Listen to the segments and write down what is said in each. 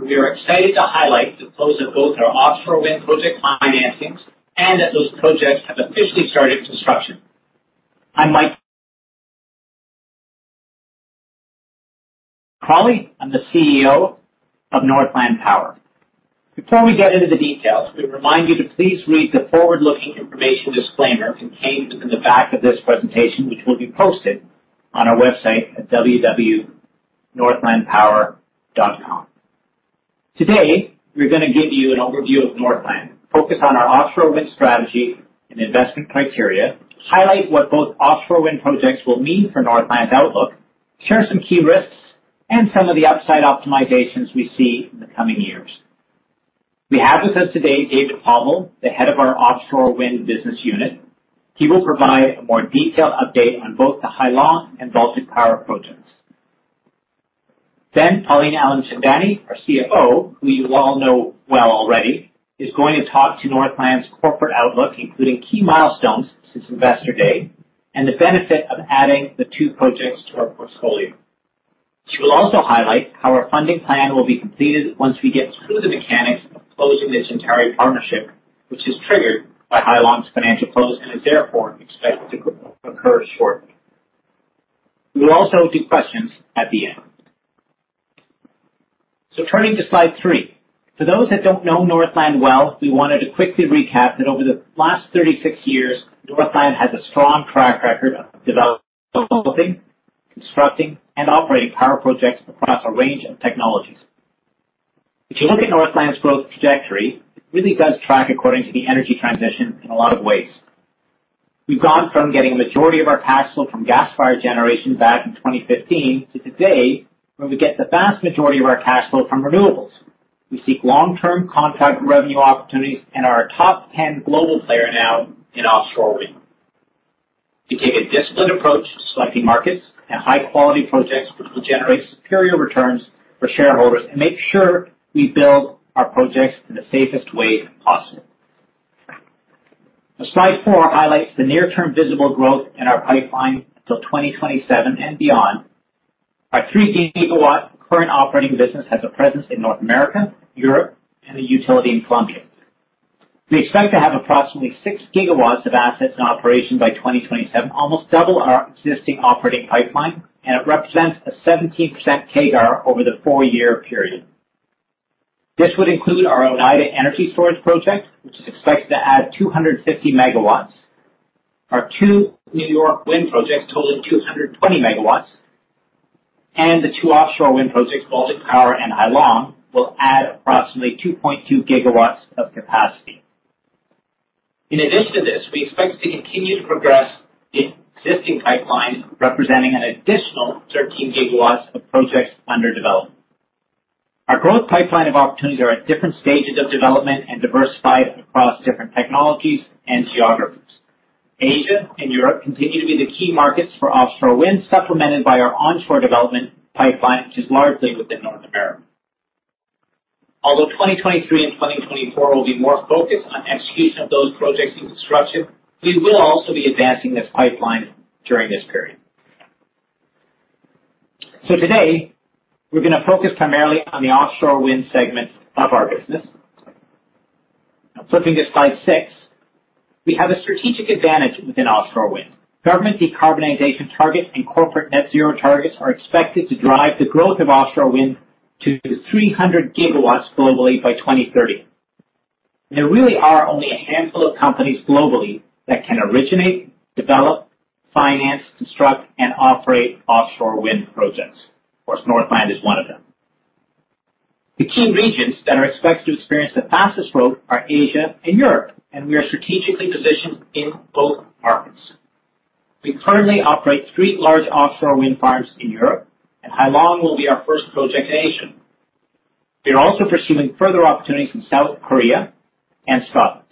We are excited to highlight the close of both our offshore wind project financings, and that those projects have officially started construction. I'm Mike Crawley. I'm the CEO of Northland Power. Before we get into the details, we remind you to please read the forward-looking information disclaimer contained in the back of this presentation, which will be posted on our website at www.northlandpower.com. Today, we're gonna give you an overview of Northland, focus on our offshore wind strategy and investment criteria, highlight what both offshore wind projects will mean for Northland's outlook, share some key risks and some of the upside optimizations we see in the coming years. We have with us today David Povall, the head of our Offshore Wind Business Unit. He will provide a more detailed update on both the Hai Long and Baltic Power projects. Then Pauline Alimchandani, our CFO, who you all know well already, is going to talk to Northland's corporate outlook, including key milestones since Investor Day and the benefit of adding the two projects to our portfolio. She will also highlight how our funding plan will be completed once we get through the mechanics of closing this entire partnership, which is triggered by Hai Long's financial close, and is therefore expected to occur shortly. We will also do questions at the end. So turning to slide 3. For those that don't know Northland well, we wanted to quickly recap that over the last 36 years, Northland has a strong track record of developing, constructing, and operating power projects across a range of technologies. If you look at Northland's growth trajectory, it really does track according to the energy transition in a lot of ways. We've gone from getting a majority of our cash flow from gas-fired generation back in 2015 to today, where we get the vast majority of our cash flow from renewables. We seek long-term contract revenue opportunities and are a top ten global player now in offshore wind. We take a disciplined approach to selecting markets and high-quality projects, which will generate superior returns for shareholders and make sure we build our projects in the safest way possible. Slide 4 highlights the near-term visible growth in our pipeline till 2027 and beyond. Our 3-GW current operating business has a presence in North America, Europe, and a utility in Colombia. We expect to have approximately 6 GW of assets in operation by 2027, almost double our existing operating pipeline, and it represents a 17% CAGR over the four-year period. This would include our Oneida Energy Storage Project, which is expected to add 250 MW. Our two New York wind projects total 220 MW, and the two offshore wind projects, Baltic Power and Hai Long, will add approximately 2.2 GW of capacity. In addition to this, we expect to continue to progress the existing pipeline, representing an additional 13 GW of projects under development. Our growth pipeline of opportunities are at different stages of development and diversified across different technologies and geographies. Asia and Europe continue to be the key markets for offshore wind, supplemented by our onshore development pipeline, which is largely within North America. Although 2023 and 2024 will be more focused on execution of those projects in construction, we will also be advancing this pipeline during this period. So today, we're gonna focus primarily on the offshore wind segment of our business. Flipping to slide 6, we have a strategic advantage within offshore wind. Government decarbonization targets and corporate net zero targets are expected to drive the growth of offshore wind to 300 gigawatts globally by 2030. There really are only a handful of companies globally that can originate, develop, finance, construct, and operate offshore wind projects. Of course, Northland is one of them. The key regions that are expected to experience the fastest growth are Asia and Europe, and we are strategically positioned in both markets. We currently operate three large offshore wind farms in Europe, and Hai Long will be our first project in Asia. We are also pursuing further opportunities in South Korea and Scotland.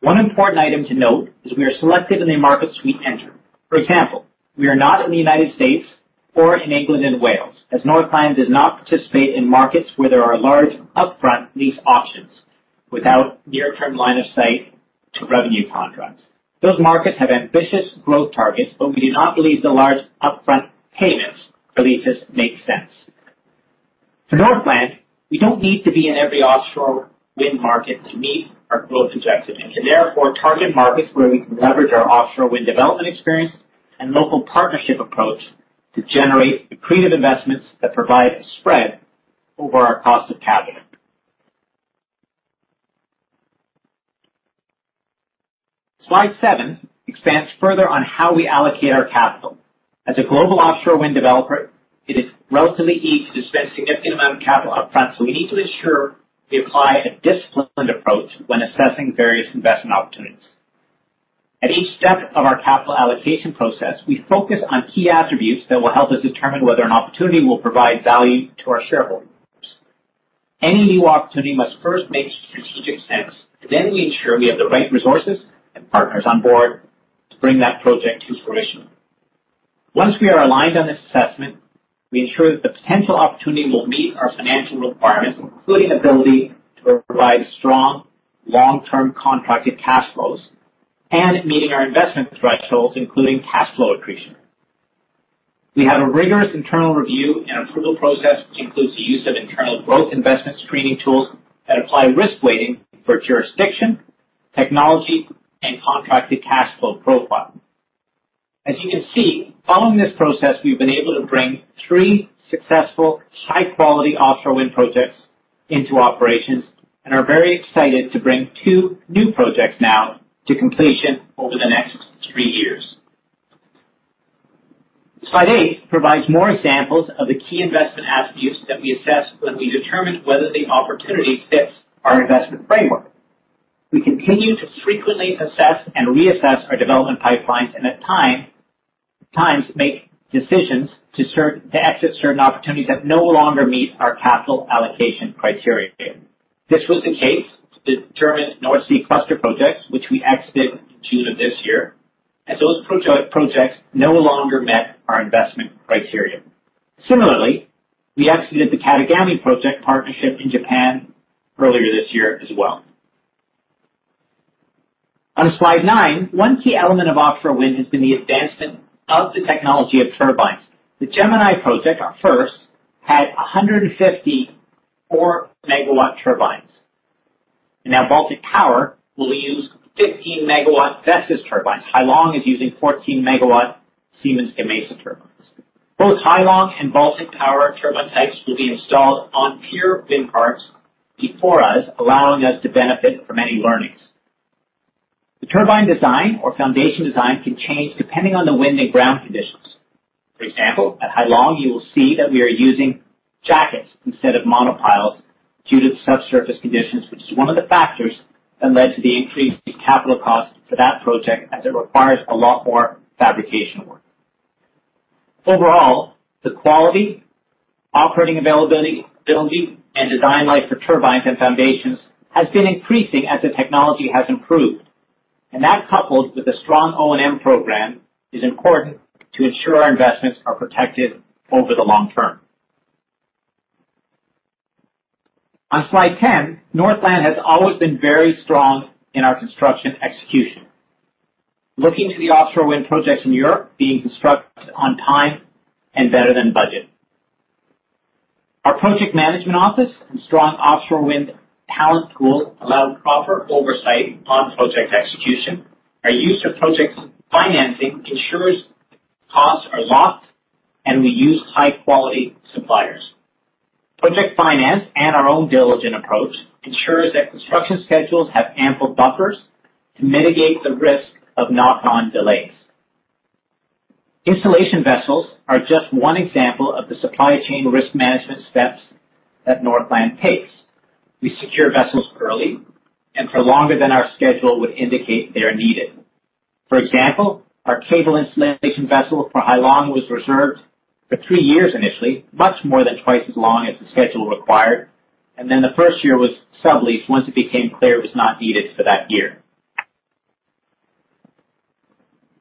One important item to note is we are selective in the markets we enter. For example, we are not in the United States or in England and Wales, as Northland does not participate in markets where there are large upfront lease options without near-term line of sight to revenue contracts. Those markets have ambitious growth targets, but we do not believe the large upfront payments for leases make sense. For Northland, we don't need to be in every offshore wind market to meet our growth objectives, and we therefore target markets where we can leverage our offshore wind development experience and local partnership approach to generate accretive investments that provide a spread over our cost of capital. Slide 7 expands further on how we allocate our capital. As a global offshore wind developer, it is relatively easy to spend significant amount of capital upfront, so we need to ensure we apply a disciplined approach when assessing various investment opportunities. At each step of our capital allocation process, we focus on key attributes that will help us determine whether an opportunity will provide value to our shareholders. Any new opportunity must first make strategic sense, then we ensure we have the right resources and partners on board to bring that project to fruition. Once we are aligned on this assessment, we ensure that the potential opportunity will meet our financial requirements, including ability to provide strong long-term contracted cash flows and meeting our investment thresholds, including cash flow accretion. We have a rigorous internal review and approval process, which includes the use of internal growth investment screening tools that apply risk weighting for jurisdiction, technology, and contracted cash flow profile. As you can see, following this process, we've been able to bring three successful, high-quality offshore wind projects into operations and are very excited to bring two new projects now to completion over the next three years. Slide eight provides more examples of the key investment attributes that we assess when we determine whether the opportunity fits our investment framework. We continue to frequently assess and reassess our development pipelines and at times make decisions to exit certain opportunities that no longer meet our capital allocation criteria. This was the case, the German North Sea Cluster projects, which we exited in June of this year, as those projects no longer met our investment criteria. Similarly, we exited the Katagami project partnership in Japan earlier this year as well. On slide nine, one key element of offshore wind has been the advancement of the technology of turbines. The Gemini project, our first, had 150 4-MW turbines. Now, Baltic Power will use 15-MW Vestas turbines. Hai Long is using 14-MW Siemens Gamesa turbines. Both Hai Long and Baltic Power turbine types will be installed on pure wind farms before us, allowing us to benefit from any learnings. The turbine design or foundation design can change depending on the wind and ground conditions. For example, at Hai Long, you will see that we are using jackets instead of monopiles due to the subsurface conditions, which is one of the factors that led to the increased capital cost for that project as it requires a lot more fabrication work. Overall, the quality, operating availability, reliability, and design life for turbines and foundations has been increasing as the technology has improved, and that, coupled with a strong O&M program, is important to ensure our investments are protected over the long term. On slide 10, Northland has always been very strong in our construction execution. Looking to the offshore wind projects in Europe being constructed on time and better than budget. Our project management office and strong offshore wind talent pool allow proper oversight on project execution. Our use of project financing ensures costs are locked, and we use high-quality suppliers. Project finance and our own diligent approach ensures that construction schedules have ample buffers to mitigate the risk of knock-on delays. Installation vessels are just one example of the supply chain risk management steps that Northland takes. We secure vessels early and for longer than our schedule would indicate they are needed. For example, our cable installation vessel for Hai Long was reserved for three years, initially, much more than twice as long as the schedule required, and then the first year was subleased once it became clear it was not needed for that year.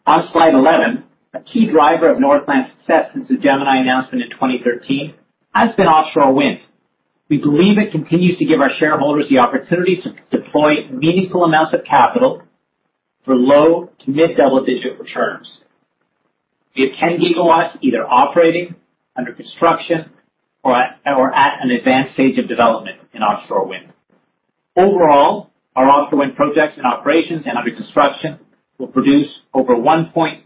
On slide 11, a key driver of Northland's success since the Gemini announcement in 2013 has been offshore wind. We believe it continues to give our shareholders the opportunity to deploy meaningful amounts of capital for low to mid-double-digit returns. We have 10 GW either operating, under construction or at an advanced stage of development in offshore wind. Overall, our offshore wind projects in operations and under construction will produce over 1.1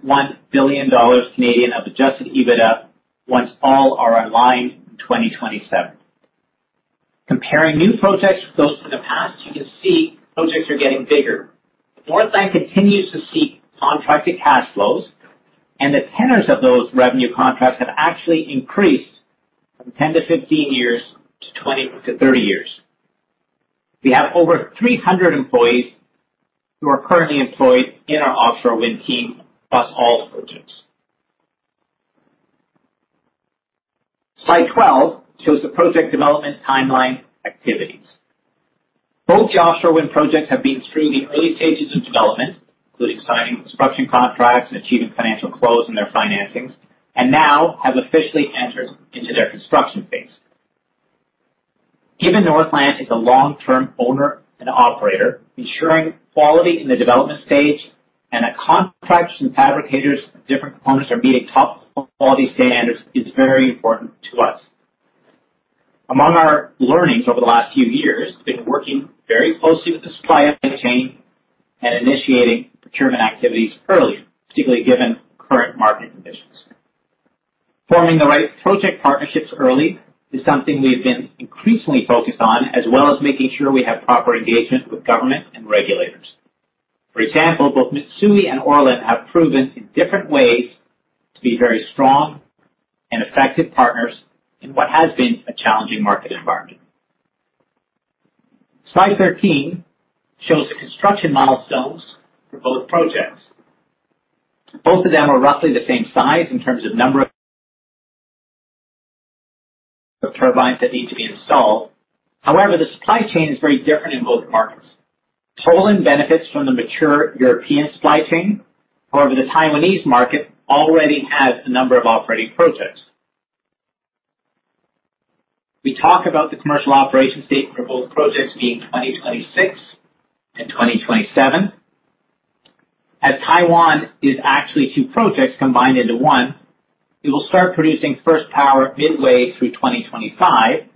billion Canadian dollars of Adjusted EBITDA once all are online in 2027. Comparing new projects with those from the past, you can see projects are getting bigger. Northland continues to see contracted cash flows, and the tenors of those revenue contracts have actually increased from 10-15 years to 20-30 years. We have over 300 employees who are currently employed in our offshore wind team across all the projects. Slide 12 shows the project development timeline activities. Both offshore wind projects have been through the early stages of development, including signing construction contracts and achieving financial close in their financings, and now have officially entered into their construction phase. Given Northland is a long-term owner and operator, ensuring quality in the development stage and that contracts and fabricators of different components are meeting top quality standards is very important to us. Among our learnings over the last few years, we've been working very closely with the supply chain and initiating procurement activities earlier, particularly given current market conditions. Forming the right project partnerships early is something we've been increasingly focused on, as well as making sure we have proper engagement with government and regulators. For example, both Mitsui and ORLEN have proven in different ways to be very strong and effective partners in what has been a challenging market environment. Slide 13 shows the construction milestones for both projects. Both of them are roughly the same size in terms of number of the turbines that need to be installed. However, the supply chain is very different in both markets. Poland benefits from the mature European supply chain. However, the Taiwanese market already has a number of operating projects. We talk about the commercial operation date for both projects being 2026 and 2027. As Taiwan is actually two projects combined into one, it will start producing first power midway through 2025,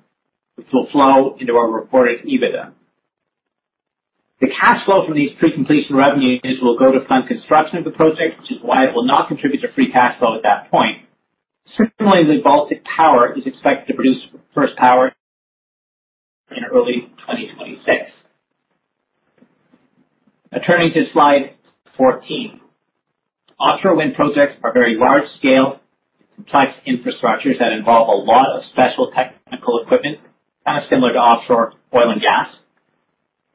which will flow into our reported EBITDA. The cash flow from these pre-completion revenues will go to fund construction of the project, which is why it will not contribute to free cash flow at that point. Similarly, the Baltic Power is expected to produce first power in early 2026. Now, turning to slide 14. Offshore wind projects are very large-scale, complex infrastructures that involve a lot of special technical equipment, kind of similar to offshore oil and gas.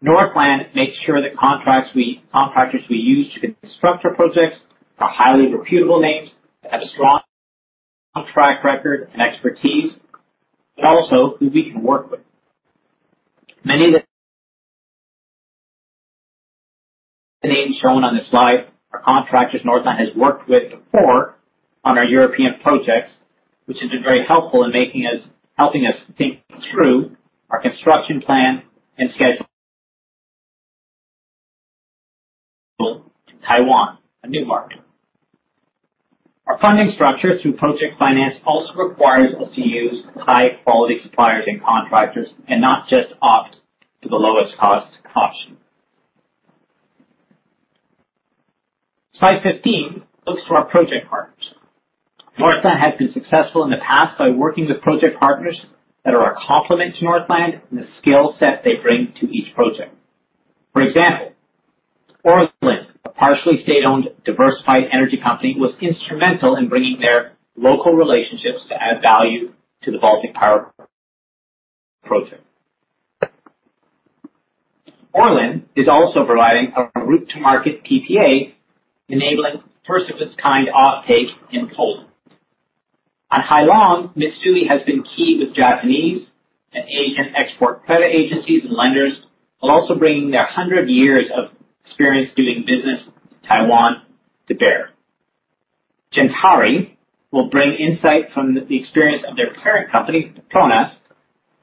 Northland makes sure the contractors we use to construct our projects are highly reputable names that have a strong track record and expertise, but also who we can work with. Many of the names shown on this slide are contractors Northland has worked with before on our European projects, which has been very helpful in helping us think through our construction plan and schedule in Taiwan, a new market. Our funding structure through project finance also requires us to use high-quality suppliers and contractors, and not just opt to the lowest cost option. Slide 15 looks for our project partners. Northland has been successful in the past by working with project partners that are a complement to Northland and the skill set they bring to each project. For example, ORLEN, a partially state-owned, diversified energy company, was instrumental in bringing their local relationships to add value to the Baltic Power project. ORLEN is also providing a route-to-market PPA, enabling first of its kind offtake in Poland. On Hai Long, Mitsui has been key with Japanese and Asian export credit agencies and lenders, while also bringing their 100 years of experience doing business in Taiwan to bear. Gentari will bring insight from the experience of their parent company, Petronas,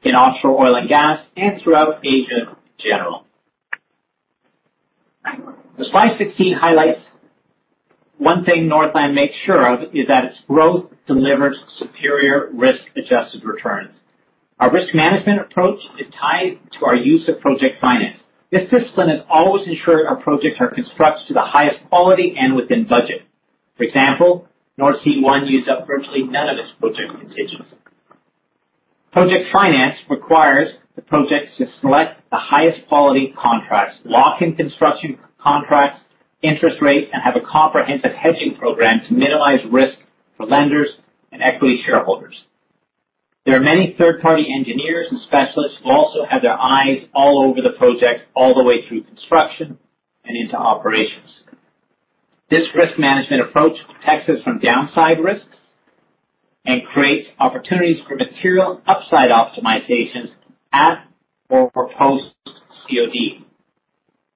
in offshore oil and gas and throughout Asia in general. The slide 16 highlights one thing Northland makes sure of is that its growth delivers superior risk-adjusted returns. Our risk management approach is tied to our use of project finance. This discipline has always ensured our projects are constructed to the highest quality and within budget. For example, Nordsee One used up virtually none of its project contingency. Project finance requires the projects to select the highest quality contracts, lock in construction contracts, interest rates, and have a comprehensive hedging program to minimize risk for lenders and equity shareholders. There are many third-party engineers and specialists who also have their eyes all over the project, all the way through construction and into operations. This risk management approach protects us from downside risks and creates opportunities for material upside optimizations at or post-COD.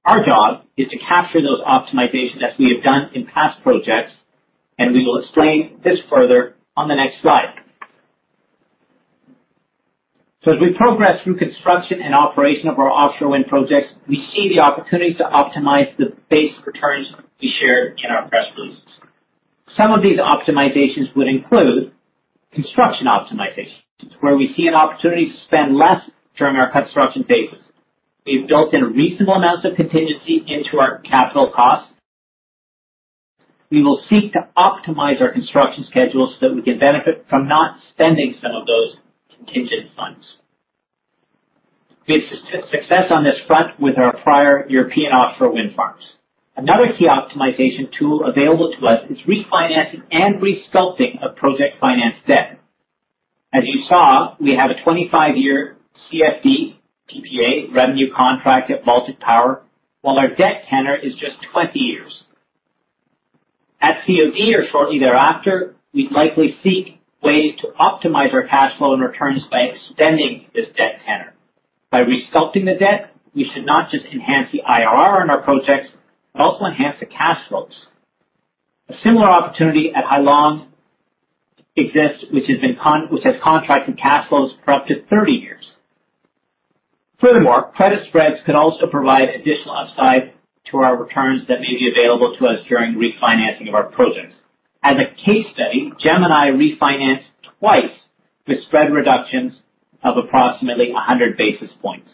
Our job is to capture those optimizations as we have done in past projects, and we will explain this further on the next slide. So as we progress through construction and operation of our offshore wind projects, we see the opportunity to optimize the base returns we share in our press releases. Some of these optimizations would include construction optimizations, where we see an opportunity to spend less during our construction phases. We've built in reasonable amounts of contingency into our capital costs. We will seek to optimize our construction schedules so that we can benefit from not spending some of those contingent funds. We had success on this front with our prior European offshore wind farms. Another key optimization tool available to us is refinancing and resculpting of project finance debt. As you saw, we have a 25-year CFD PPA revenue contract at Baltic Power, while our debt tenor is just 20 years. At COD, or shortly thereafter, we'd likely seek ways to optimize our cash flow and returns by extending this debt tenor. By resculpting the debt, we should not just enhance the IRR on our projects, but also enhance the cash flows. A similar opportunity at Hai Long exists, which has contracts and cash flows for up to 30 years. Furthermore, credit spreads could also provide additional upside to our returns that may be available to us during refinancing of our projects. As a case study, Gemini refinanced twice with spread reductions of approximately 100 basis points.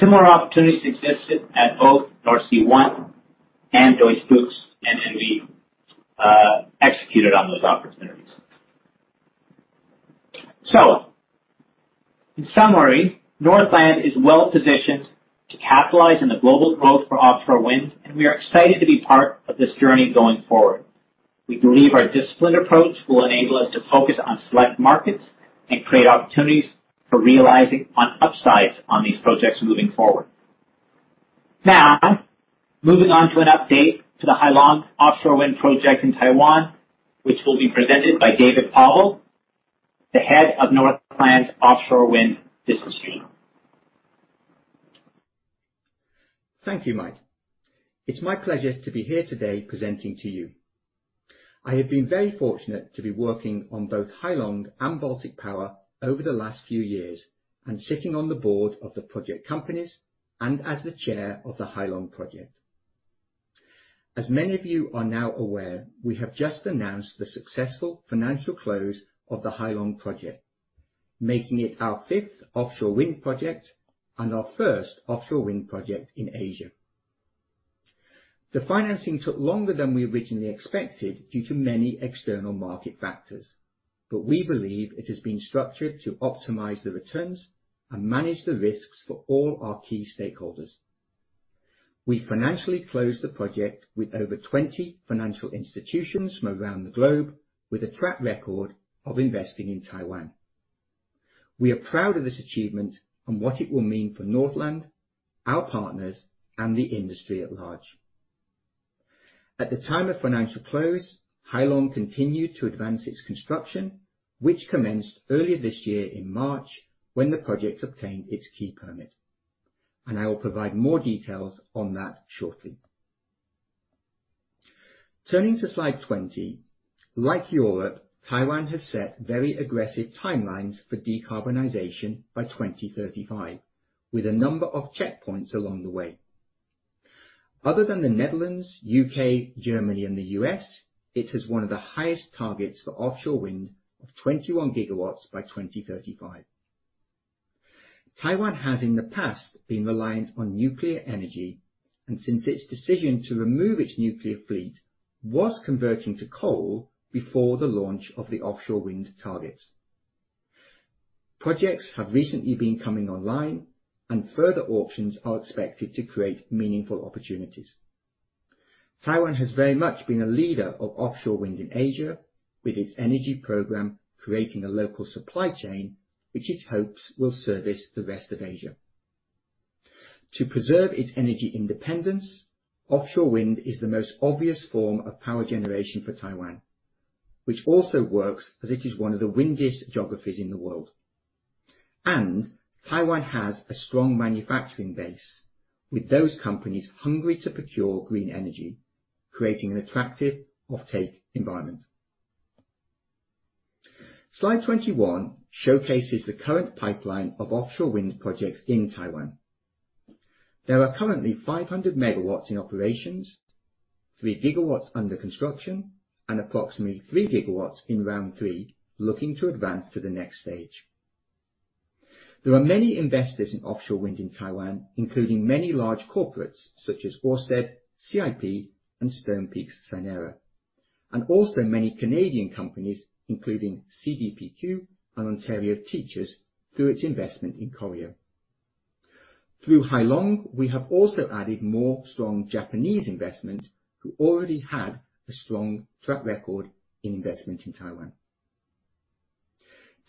Similar opportunities existed at both Nordsee One and Deutsche Bucht, and we executed on those opportunities. So in summary, Northland is well positioned to capitalize on the global growth for offshore wind, and we are excited to be part of this journey going forward. We believe our disciplined approach will enable us to focus on select markets and create opportunities for realizing on upsides on these projects moving forward. Now, moving on to an update to the Hai Long offshore wind project in Taiwan, which will be presented by David Povall, the head of Northland's offshore wind business unit. Thank you, Mike. It's my pleasure to be here today presenting to you. I have been very fortunate to be working on both Hai Long and Baltic Power over the last few years and sitting on the board of the project companies and as the chair of the Hai Long project. As many of you are now aware, we have just announced the successful financial close of the Hai Long project, making it our fifth offshore wind project and our first offshore wind project in Asia. The financing took longer than we originally expected due to many external market factors, but we believe it has been structured to optimize the returns and manage the risks for all our key stakeholders. We financially closed the project with over 20 financial institutions from around the globe, with a track record of investing in Taiwan. We are proud of this achievement and what it will mean for Northland, our partners, and the industry at large. At the time of financial close, Hai Long continued to advance its construction, which commenced earlier this year in March, when the project obtained its key permit, and I will provide more details on that shortly. Turning to slide 20, like Europe, Taiwan has set very aggressive timelines for decarbonization by 2035, with a number of checkpoints along the way. Other than the Netherlands, UK, Germany, and the US, it has one of the highest targets for offshore wind of 21 gigawatts by 2035. Taiwan has in the past been reliant on nuclear energy, and since its decision to remove its nuclear fleet, was converting to coal before the launch of the offshore wind targets. Projects have recently been coming online, and further auctions are expected to create meaningful opportunities. Taiwan has very much been a leader of offshore wind in Asia, with its energy program creating a local supply chain, which it hopes will service the rest of Asia. To preserve its energy independence, offshore wind is the most obvious form of power generation for Taiwan, which also works as it is one of the windiest geographies in the world. Taiwan has a strong manufacturing base, with those companies hungry to procure green energy, creating an attractive offtake environment. Slide 21 showcases the current pipeline of offshore wind projects in Taiwan. There are currently 500 MW in operations, 3 GW under construction, and approximately 3 GW in Round 3, looking to advance to the next stage. There are many investors in offshore wind in Taiwan, including many large corporates such as Ørsted, CIP and Stonepeak-Synera, and also many Canadian companies, including CDPQ and Ontario Teachers, through its investment in Corio. Through Hai Long, we have also added more strong Japanese investment, who already had a strong track record in investment in Taiwan.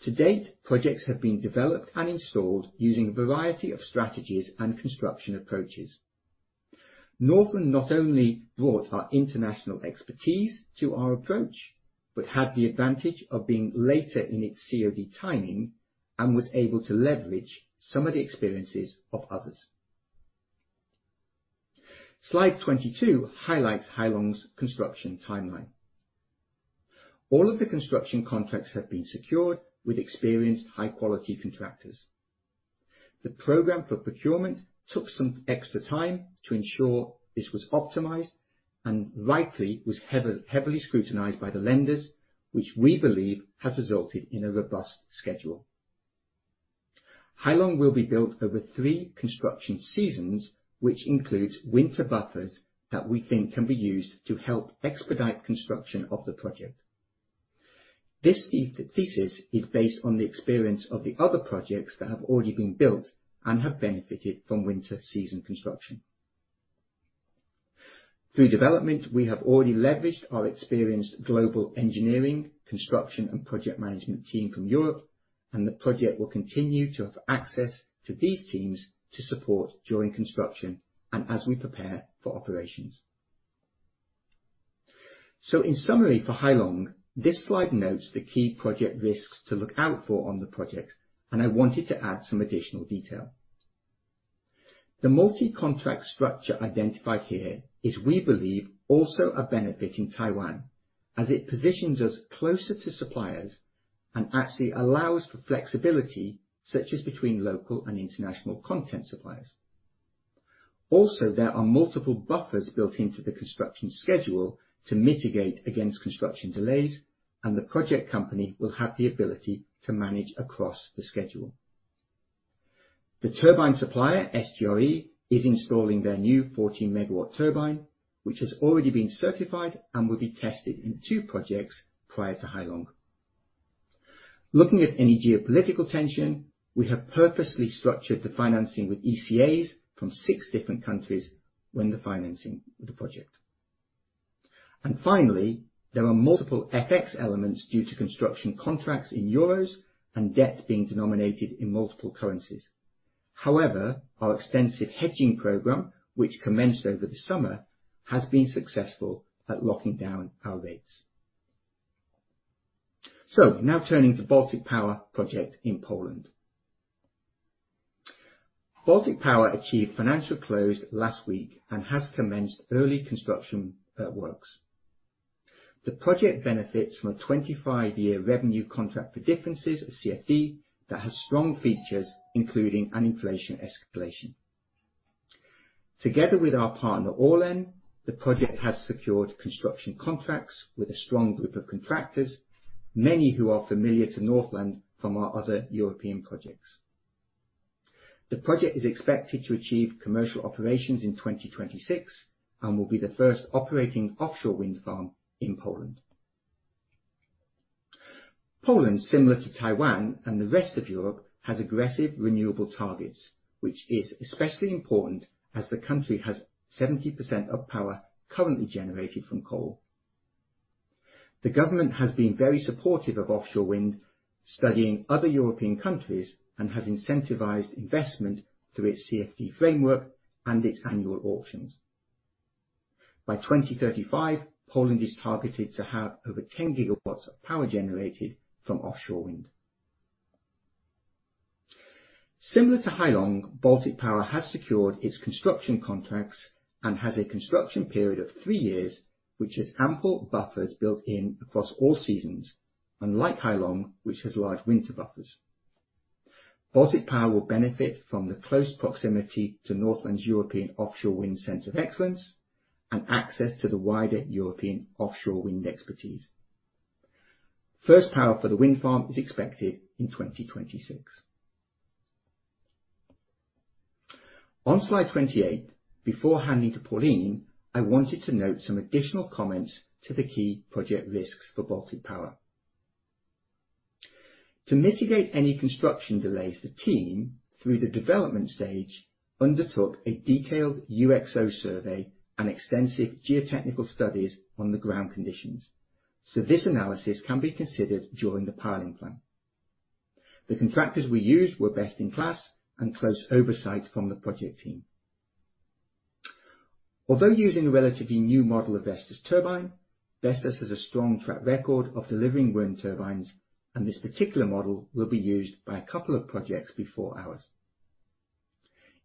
To date, projects have been developed and installed using a variety of strategies and construction approaches. Northland not only brought our international expertise to our approach, but had the advantage of being later in its COD timing and was able to leverage some of the experiences of others. Slide 22 highlights Hai Long's construction timeline. All of the construction contracts have been secured with experienced, high-quality contractors. The program for procurement took some extra time to ensure this was optimized and rightly was heavily scrutinized by the lenders, which we believe has resulted in a robust schedule. Hai Long will be built over three construction seasons, which includes winter buffers that we think can be used to help expedite construction of the project. This thesis is based on the experience of the other projects that have already been built and have benefited from winter season construction. Through development, we have already leveraged our experienced global engineering, construction, and project management team from Europe, and the project will continue to have access to these teams to support during construction and as we prepare for operations. In summary, for Hai Long, this slide notes the key project risks to look out for on the project, and I wanted to add some additional detail. The multi-contract structure identified here is, we believe, also a benefit in Taiwan as it positions us closer to suppliers and actually allows for flexibility, such as between local and international content suppliers. Also, there are multiple buffers built into the construction schedule to mitigate against construction delays, and the project company will have the ability to manage across the schedule. The turbine supplier, SGRE, is installing their new 14-megawatt turbine, which has already been certified and will be tested in 2 projects prior to Hai Long. Looking at any geopolitical tension, we have purposely structured the financing with ECAs from 6 different countries when the financing of the project. And finally, there are multiple FX elements due to construction contracts in euros and debt being denominated in multiple currencies. However, our extensive hedging program, which commenced over the summer, has been successful at locking down our rates. So now turning to Baltic Power project in Poland. Baltic Power achieved financial close last week and has commenced early construction works. The project benefits from a 25-year revenue contract for differences, a CFD, that has strong features, including an inflation escalation. Together with our partner, ORLEN, the project has secured construction contracts with a strong group of contractors, many who are familiar to Northland from our other European projects. The project is expected to achieve commercial operations in 2026 and will be the first operating offshore wind farm in Poland. Poland, similar to Taiwan and the rest of Europe, has aggressive renewable targets, which is especially important as the country has 70% of power currently generated from coal. The government has been very supportive of offshore wind, studying other European countries, and has incentivized investment through its CFD framework and its annual auctions. By 2035, Poland is targeted to have over 10 gigawatts of power generated from offshore wind. Similar to Hai Long, Baltic Power has secured its construction contracts and has a construction period of 3 years, which has ample buffers built in across all seasons, unlike Hai Long, which has large winter buffers. Baltic Power will benefit from the close proximity to Northland's European Offshore Wind Center of Excellence and access to the wider European offshore wind expertise. First Power for the wind farm is expected in 2026. On slide 28, before handing to Pauline, I wanted to note some additional comments to the key project risks for Baltic Power. To mitigate any construction delays, the team, through the development stage, undertook a detailed UXO survey and extensive geotechnical studies on the ground conditions, so this analysis can be considered during the piling plan. The contractors we used were best in class and close oversight from the project team. Although using a relatively new model of Vestas turbine, Vestas has a strong track record of delivering wind turbines, and this particular model will be used by a couple of projects before ours.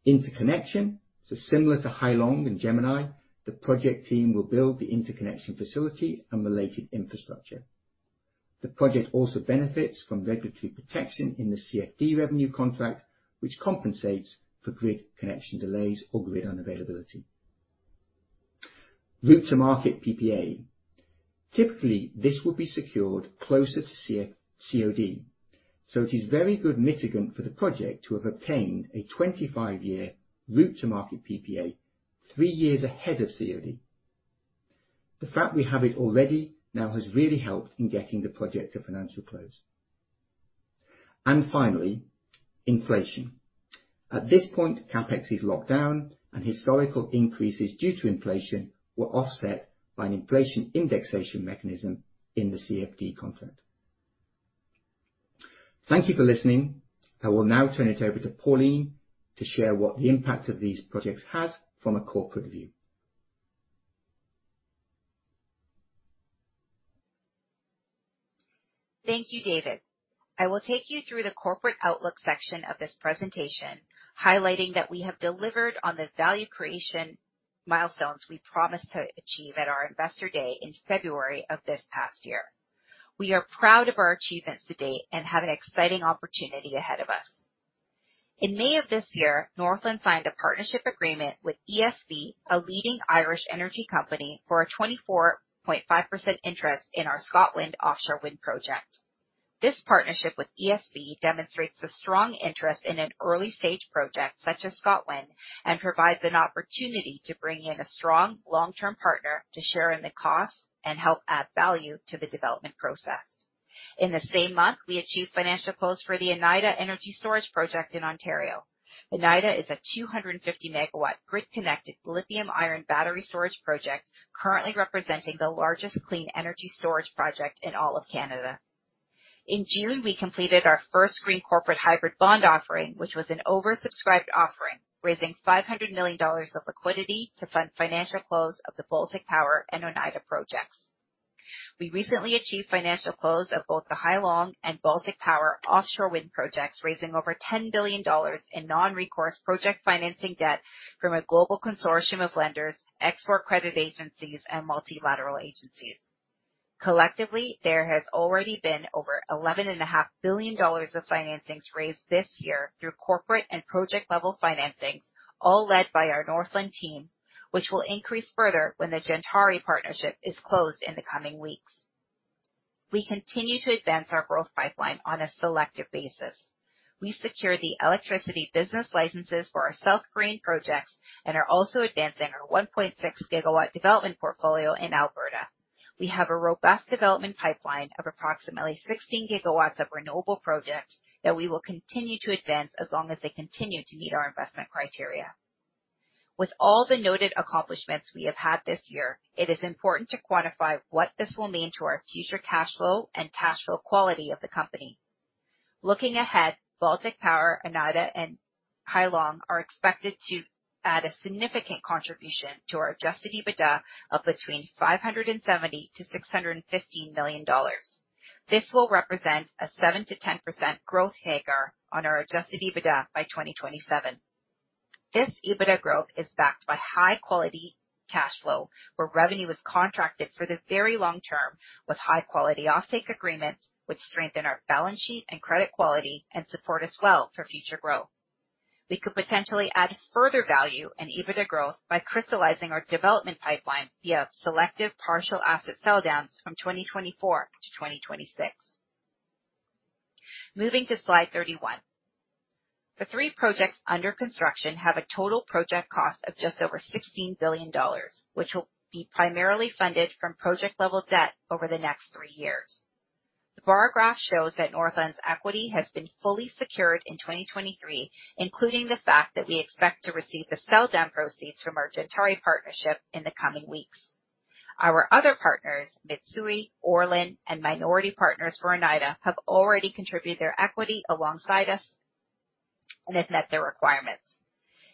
Interconnection. So similar to Hai Long and Gemini, the project team will build the interconnection facility and related infrastructure. The project also benefits from regulatory protection in the CFD revenue contract, which compensates for grid connection delays or grid unavailability. Route to market PPA. Typically, this would be secured closer to CFD-COD, so it is very good mitigant for the project to have obtained a 25-year route to market PPA three years ahead of COD. The fact we have it already now has really helped in getting the project to financial close. And finally, inflation. At this point, CapEx is locked down, and historical increases due to inflation were offset by an inflation indexation mechanism in the CFD contract. Thank you for listening. I will now turn it over to Pauline to share what the impact of these projects has from a corporate view. Thank you, David. I will take you through the corporate outlook section of this presentation, highlighting that we have delivered on the value creation milestones we promised to achieve at our Investor Day in February of this past year. We are proud of our achievements to date and have an exciting opportunity ahead of us. In May of this year, Northland signed a partnership agreement with ESB, a leading Irish energy company, for a 24.5% interest in our Scotland offshore wind project. This partnership with ESB demonstrates the strong interest in an early-stage project such as Scotland, and provides an opportunity to bring in a strong long-term partner to share in the costs and help add value to the development process. In the same month, we achieved financial close for the Oneida Energy Storage Project in Ontario. Oneida is a 250-megawatt grid-connected lithium iron battery storage project, currently representing the largest clean energy storage project in all of Canada. In June, we completed our first green corporate hybrid bond offering, which was an oversubscribed offering, raising 500 million dollars of liquidity to fund financial close of the Baltic Power and Oneida projects. We recently achieved financial close of both the Hai Long and Baltic Power offshore wind projects, raising over 10 billion dollars in non-recourse project financing debt from a global consortium of lenders, export credit agencies, and multilateral agencies. Collectively, there has already been over 11.5 billion dollars of financings raised this year through corporate and project-level financings, all led by our Northland team, which will increase further when the Gentari partnership is closed in the coming weeks. We continue to advance our growth pipeline on a selective basis. We secure the electricity business licenses for our South Korean projects and are also advancing our 1.6 gigawatt development portfolio in Alberta. We have a robust development pipeline of approximately 16 gigawatts of renewable projects, that we will continue to advance as long as they continue to meet our investment criteria. With all the noted accomplishments we have had this year, it is important to quantify what this will mean to our future cash flow and cash flow quality of the company. Looking ahead, Baltic Power, Oneida, and Hai Long are expected to add a significant contribution to our Adjusted EBITDA of between 570 million-650 million dollars. This will represent a 7%-10% growth CAGR on our Adjusted EBITDA by 2027. This EBITDA growth is backed by high-quality cash flow, where revenue is contracted for the very long term, with high-quality offtake agreements, which strengthen our balance sheet and credit quality, and support as well for future growth. We could potentially add further value and EBITDA growth by crystallizing our development pipeline via selective partial asset sell downs from 2024 to 2026. Moving to slide 31. The three projects under construction have a total project cost of just over 16 billion dollars, which will be primarily funded from project-level debt over the next three years. The bar graph shows that Northland's equity has been fully secured in 2023, including the fact that we expect to receive the sell down proceeds from our Gentari partnership in the coming weeks. Our other partners, Mitsui, ORLEN, and minority partners for Oneida, have already contributed their equity alongside us, and have met their requirements.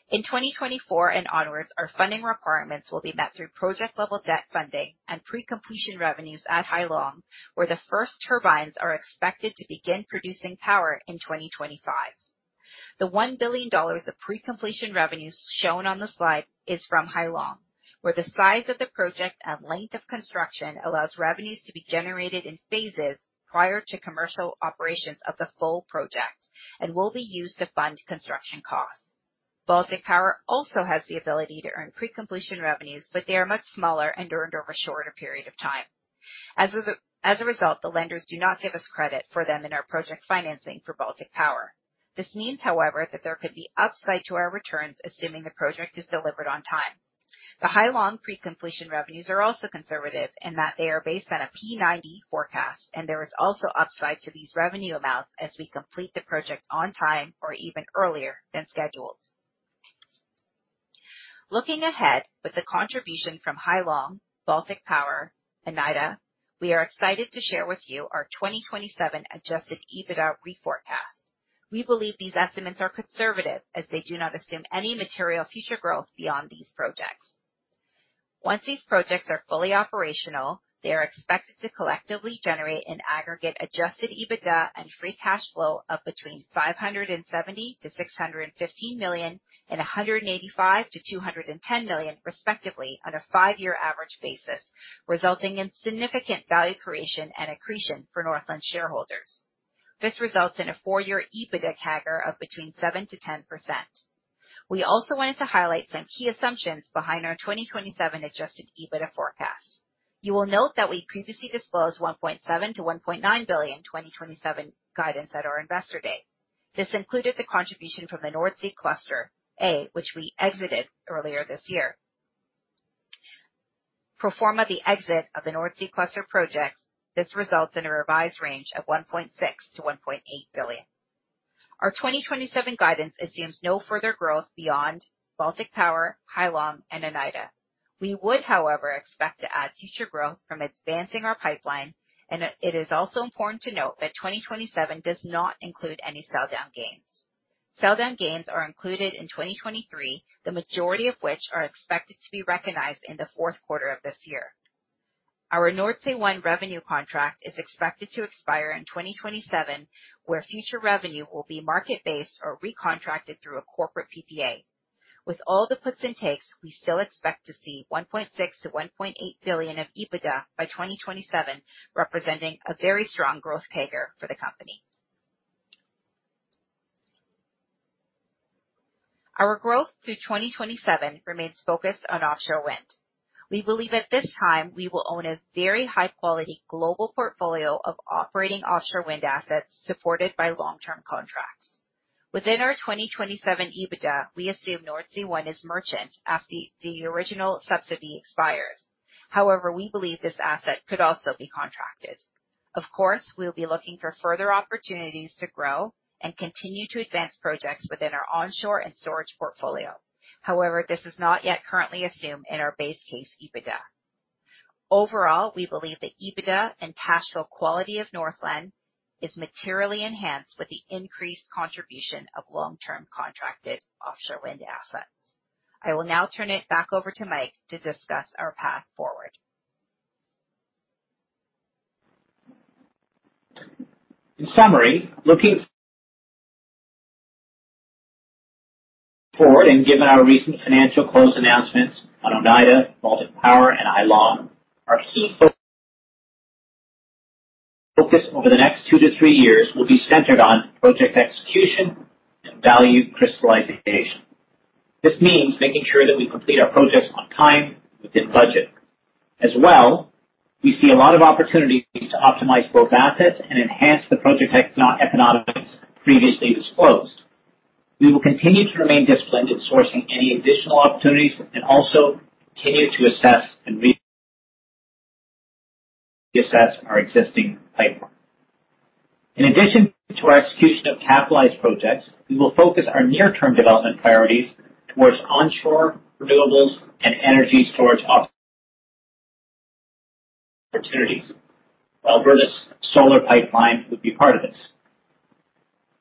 In 2024 and onwards, our funding requirements will be met through project-level debt funding and pre-completion revenues at Hai Long, where the first turbines are expected to begin producing power in 2025. The 1 billion dollars of pre-completion revenues shown on the slide is from Hai Long, where the size of the project and length of construction allows revenues to be generated in phases prior to commercial operations of the full project, and will be used to fund construction costs. Baltic Power also has the ability to earn pre-completion revenues, but they are much smaller and earned over a shorter period of time. As a result, the lenders do not give us credit for them in our project financing for Baltic Power. This means, however, that there could be upside to our returns, assuming the project is delivered on time. The Hai Long pre-completion revenues are also conservative in that they are based on a P90 forecast, and there is also upside to these revenue amounts as we complete the project on time or even earlier than scheduled. Looking ahead, with the contribution from Hai Long, Baltic Power, and Oneida, we are excited to share with you our 2027 Adjusted EBITDA reforecast. We believe these estimates are conservative, as they do not assume any material future growth beyond these projects. Once these projects are fully operational, they are expected to collectively generate an aggregate Adjusted EBITDA and free cash flow of between 570 million and 650 million, and 185 million-210 million, respectively, on a five-year average basis, resulting in significant value creation and accretion for Northland shareholders. This results in a four-year EBITDA CAGR of between 7% and 10%. We also wanted to highlight some key assumptions behind our 2027 Adjusted EBITDA forecast. You will note that we previously disclosed 1.7 billion-1.9 billion 2027 guidance at our Investor Day. This included the contribution from the North Sea Cluster A, which we exited earlier this year. Pro forma the exit of the North Sea Cluster projects, this results in a revised range of 1.6 billion-1.8 billion. Our 2027 guidance assumes no further growth beyond Baltic Power, Hai Long, and Oneida. We would, however, expect to add future growth from advancing our pipeline, and it is also important to note that 2027 does not include any sell down gains. Sell down gains are included in 2023, the majority of which are expected to be recognized in the fourth quarter of this year. Our Nordsee One revenue contract is expected to expire in 2027, where future revenue will be market-based or recontracted through a corporate PPA. With all the puts and takes, we still expect to see 1.6 billion-1.8 billion of EBITDA by 2027, representing a very strong growth CAGR for the company. Our growth through 2027 remains focused on offshore wind. We believe at this time, we will own a very high-quality global portfolio of operating offshore wind assets, supported by long-term contracts. Within our 2027 EBITDA, we assume Nordsee One is merchant after the original subsidy expires. However, we believe this asset could also be contracted. Of course, we'll be looking for further opportunities to grow and continue to advance projects within our onshore and storage portfolio. However, this is not yet currently assumed in our base case EBITDA. Overall, we believe the EBITDA and cash flow quality of Northland is materially enhanced with the increased contribution of long-term contracted offshore wind assets. I will now turn it back over to Mike to discuss our path forward. In summary, looking forward, and given our recent financial close announcements on Oneida, Baltic Power, and Hai Long, our key focus over the next 2-3 years will be centered on project execution and value crystallization. This means making sure that we complete our projects on time, within budget. As well, we see a lot of opportunities to optimize both assets and enhance the project economics previously disclosed. We will continue to remain disciplined in sourcing any additional opportunities, and also continue to assess and re-assess our existing pipeline. In addition to our execution of capitalized projects, we will focus our near-term development priorities towards onshore renewables and energy storage opportunities. Alberta's solar pipeline would be part of this.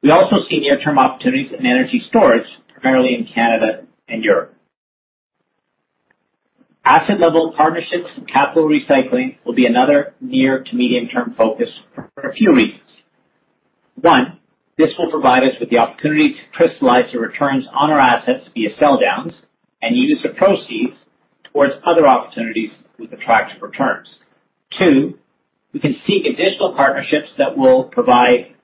We also see near-term opportunities in energy storage, primarily in Canada and Europe. Asset-level partnerships and capital recycling will be another near to medium-term focus for a few reasons. One, this will provide us with the opportunity to crystallize the returns on our assets via sell downs and use the proceeds towards other opportunities with attractive returns. Two, we can seek additional partnerships that will provide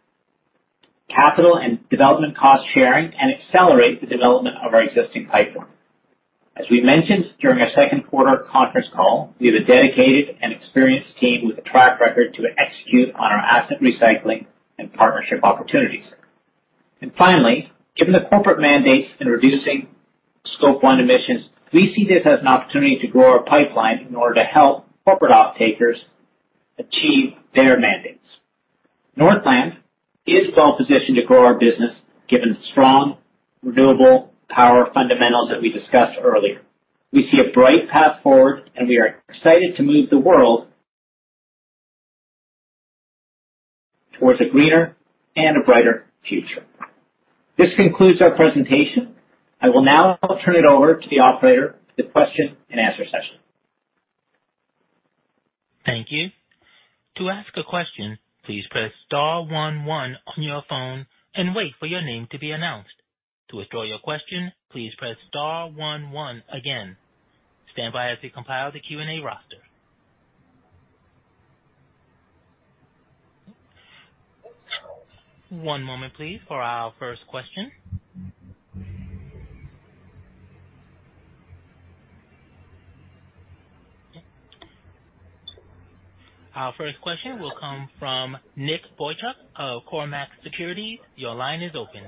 capital and development cost sharing and accelerate the development of our existing pipeline. As we mentioned during our second quarter conference call, we have a dedicated and experienced team with a track record to execute on our asset recycling and partnership opportunities. And finally, given the corporate mandates in reducing Scope 1 emissions, we see this as an opportunity to grow our pipeline in order to help corporate off-takers achieve their mandates. Northland is well positioned to grow our business, given the strong renewable power fundamentals that we discussed earlier. We see a bright path forward, and we are excited to move the world towards a greener and a brighter future. This concludes our presentation. I will now turn it over to the operator for the question-and-answer session. Thank you. To ask a question, please press star one one on your phone and wait for your name to be announced. To withdraw your question, please press star one one again. Stand by as we compile the Q&A roster. One moment, please, for our first question. Our first question will come from Nick Boychuk, Cormark Securities. Your line is open.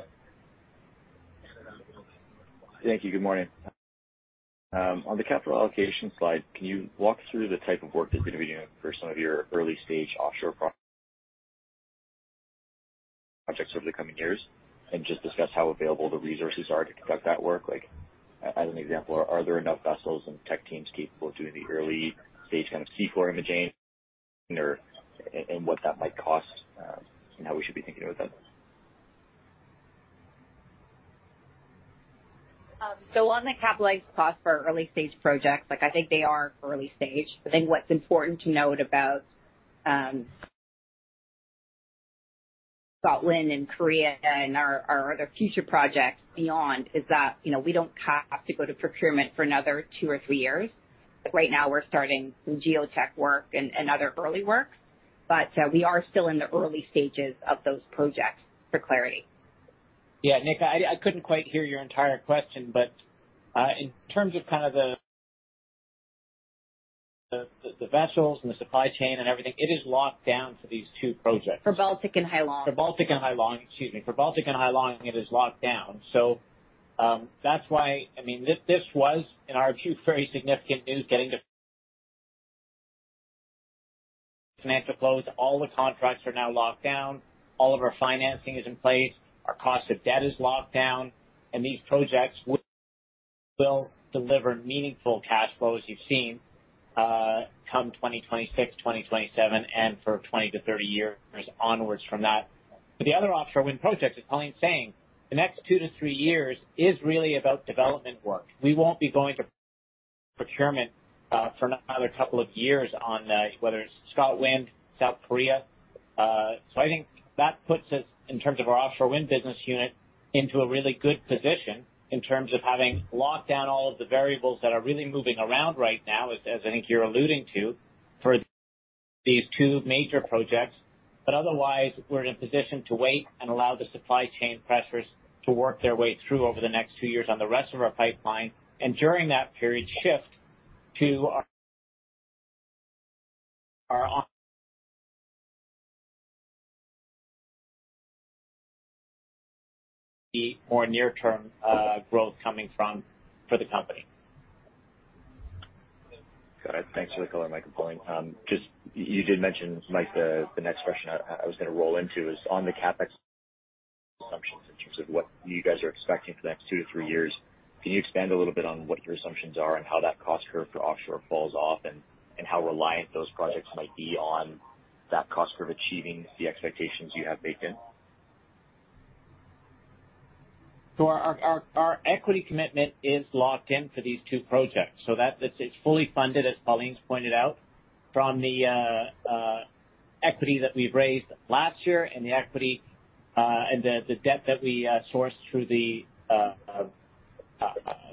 Thank you. Good morning. On the capital allocation slide, can you walk through the type of work that you're going to be doing for some of your early-stage offshore projects over the coming years? And just discuss how available the resources are to conduct that work. Like, as an example, are there enough vessels and tech teams capable of doing the early-stage kind of seafloor imaging or and what that might cost, and how we should be thinking about that? So on the capitalized cost for our early-stage projects, like I think they are early stage. I think what's important to note about Scotland and Korea and our other future projects beyond is that, you know, we don't have to go to procurement for another two or three years. Right now, we're starting some geotech work and other early works, but we are still in the early stages of those projects, for clarity. Yeah, Nick, I couldn't quite hear your entire question, but in terms of kind of the vessels and the supply chain and everything, it is locked down for these two projects. For Baltic and Hai Long. For Baltic and Hai Long. Excuse me. For Baltic and Hai Long, it is locked down. So, that's why... I mean, this, this was, in our view, very significant news getting to financial close. All the contracts are now locked down. All of our financing is in place. Our cost of debt is locked down, and these projects will, will deliver meaningful cash flows you've seen, come 2026, 2027, and for 20 to 30 years onwards from that. But the other offshore wind projects, as Pauline was saying, the next 2 to 3 years is really about development work. We won't be going to procurement, for another couple of years on, whether it's Scotland, South Korea. So I think that puts us, in terms of our offshore wind business unit, into a really good position in terms of having locked down all of the variables that are really moving around right now, as I think you're alluding to, for these two major projects. But otherwise, we're in a position to wait and allow the supply chain pressures to work their way through over the next two years on the rest of our pipeline. And during that period, shift to our on-the more near-term growth coming from for the company. Got it. Thanks for the color, Mike and Pauline. Just you did mention, Mike, the next question I was gonna roll into is on the CapEx assumptions in terms of what you guys are expecting for the next two to three years. Can you expand a little bit on what your assumptions are and how that cost curve for offshore falls off and how reliant those projects might be on that cost curve achieving the expectations you have baked in? So our equity commitment is locked in for these two projects. So that's it, it's fully funded, as Pauline's pointed out, from the equity that we've raised last year and the equity and the debt that we sourced through the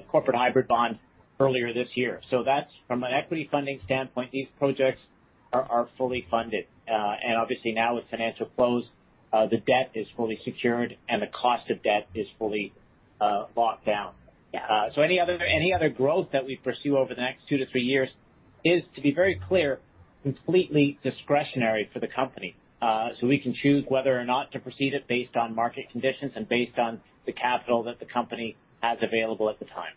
corporate hybrid bond earlier this year. So that's from an equity funding standpoint, these projects are fully funded. And obviously now with financial close, the debt is fully secured and the cost of debt is fully locked down. So any other growth that we pursue over the next two to three years is, to be very clear, completely discretionary for the company. So we can choose whether or not to proceed it based on market conditions and based on the capital that the company has available at the time.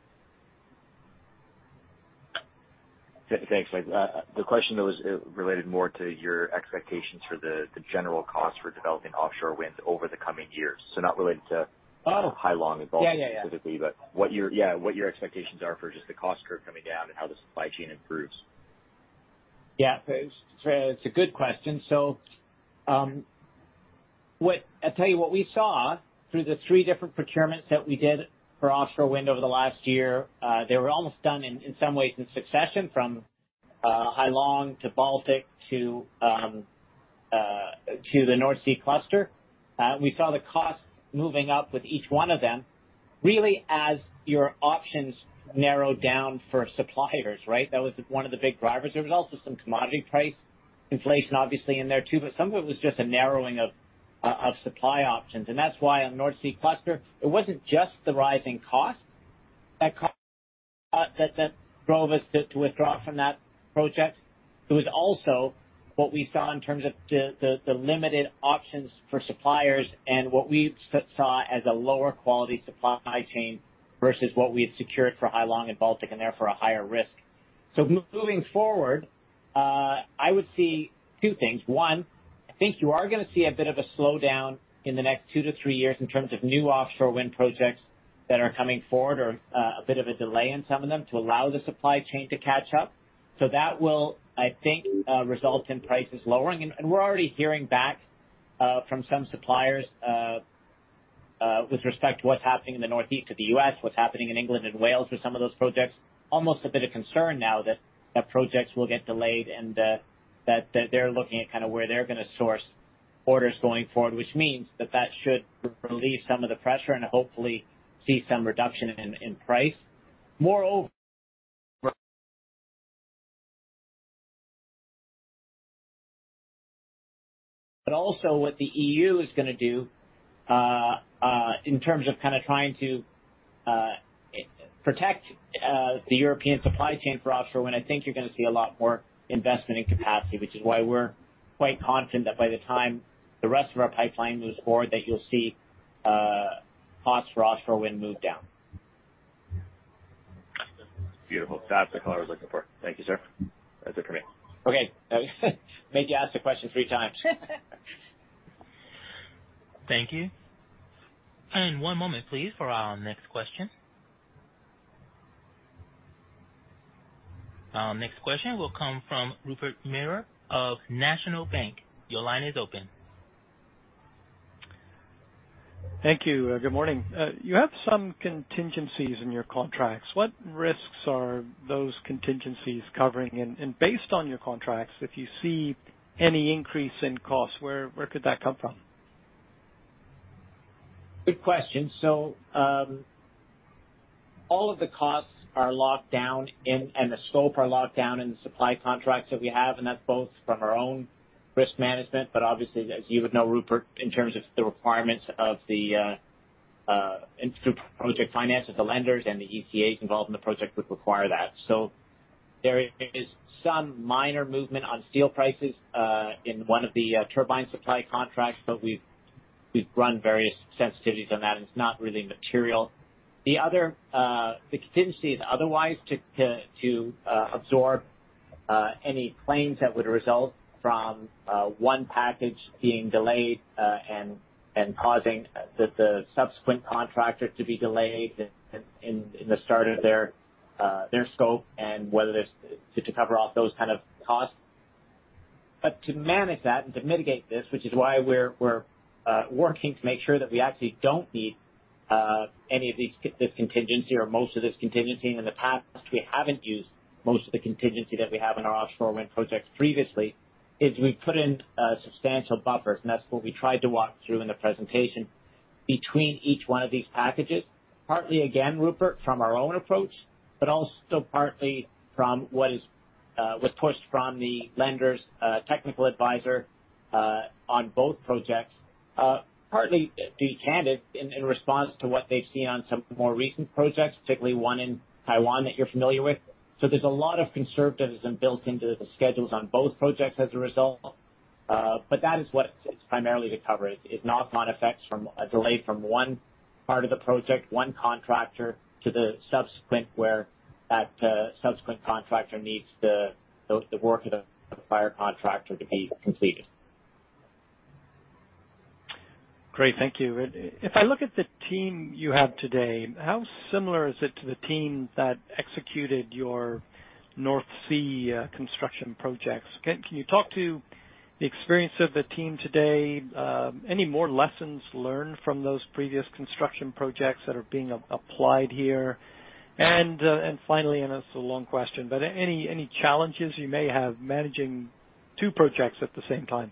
Thanks, Mike. The question, though, is related more to your expectations for the general cost for developing offshore winds over the coming years. So not related to- Oh. - Hai Long and Baltic- Yeah, yeah, yeah. Yeah, what your expectations are for just the cost curve coming down and how the supply chain improves? Yeah, so it's a good question. So, what—I'll tell you what we saw through the three different procurements that we did for offshore wind over the last year, they were almost done in some ways in succession, from Hai Long to Baltic to the North Sea Cluster. We saw the costs moving up with each one of them, really, as your options narrowed down for suppliers, right? That was one of the big drivers. There was also some commodity price inflation, obviously, in there, too, but some of it was just a narrowing of supply options. And that's why on North Sea Cluster, it wasn't just the rising cost that drove us to withdraw from that project. It was also what we saw in terms of the limited options for suppliers and what we saw as a lower quality supply chain versus what we had secured for Hai Long and Baltic, and therefore a higher risk. So moving forward, I would see two things. One, I think you are going to see a bit of a slowdown in the next 2-3 years in terms of new offshore wind projects that are coming forward, or, a bit of a delay in some of them to allow the supply chain to catch up. So that will, I think, result in prices lowering. And we're already hearing back from some suppliers, with respect to what's happening in the northeast of the U.S., what's happening in England and Wales with some of those projects. Almost a bit of concern now that projects will get delayed and that they're looking at kind of where they're going to source orders going forward, which means that should relieve some of the pressure and hopefully see some reduction in price. Moreover- But also what the EU is going to do in terms of kind of trying to protect the European supply chain for offshore wind. I think you're going to see a lot more investment in capacity, which is why we're quite confident that by the time the rest of our pipeline moves forward, that you'll see costs for offshore wind move down. Beautiful. That's the call I was looking for. Thank you, sir. That's it for me. Okay. Made you ask the question three times. Thank you. One moment, please, for our next question. Our next question will come from Rupert Merer of National Bank. Your line is open. Thank you. Good morning. You have some contingencies in your contracts. What risks are those contingencies covering? And based on your contracts, if you see any increase in costs, where could that come from? Good question. So, all of the costs are locked down and the scope are locked down in the supply contracts that we have, and that's both from our own risk management, but obviously, as you would know, Rupert, in terms of the requirements of the project finances, the lenders and the ECAs involved in the project would require that. So there is some minor movement on steel prices in one of the turbine supply contracts, but we've run various sensitivities on that, and it's not really material. The other, the contingency is otherwise to absorb any claims that would result from one package being delayed and causing the subsequent contractor to be delayed in the start of their their scope and whether there's... To cover off those kind of costs. But to manage that and to mitigate this, which is why we're working to make sure that we actually don't need any of these, this contingency or most of this contingency. In the past, we haven't used most of the contingency that we have in our offshore wind projects previously, is we've put in substantial buffers, and that's what we tried to walk through in the presentation between each one of these packages. Partly, again, Rupert, from our own approach, but also partly from what was pushed from the lenders' technical advisor on both projects. Partly, to be candid, in response to what they've seen on some more recent projects, particularly one in Taiwan that you're familiar with. So there's a lot of conservatism built into the schedules on both projects as a result. But that is what it's primarily to cover. It's knock-on effects from a delay from one part of the project, one contractor, to the subsequent, where that subsequent contractor needs the work of the prior contractor to be completed. Great. Thank you. If I look at the team you have today, how similar is it to the team that executed your North Sea construction projects? Can you talk to the experience of the team today? Any more lessons learned from those previous construction projects that are being applied here? And finally, and it's a long question, but any challenges you may have managing two projects at the same time?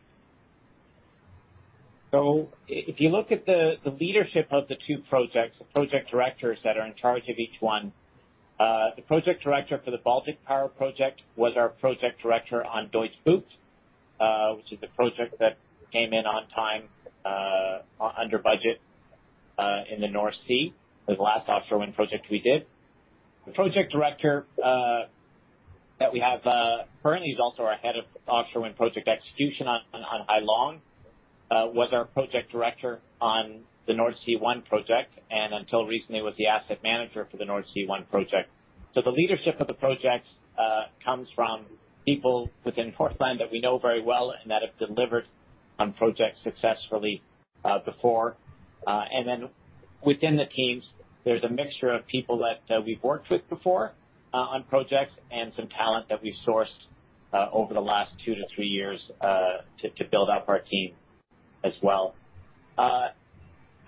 So if you look at the leadership of the two projects, the project directors that are in charge of each one, the project director for the Baltic Power project was our project director on Deutsche Bucht, which is the project that came in on time, under budget, in the North Sea. It was the last offshore wind project we did. The project director that we have currently is also our head of offshore wind project execution on Hai Long, was our project director on the Nordsee One project, and until recently, was the asset manager for the Nordsee One project. So the leadership of the projects comes from people within Northland that we know very well and that have delivered on projects successfully before. And then-... Within the teams, there's a mixture of people that we've worked with before on projects and some talent that we've sourced over the last 2-3 years to build up our team as well.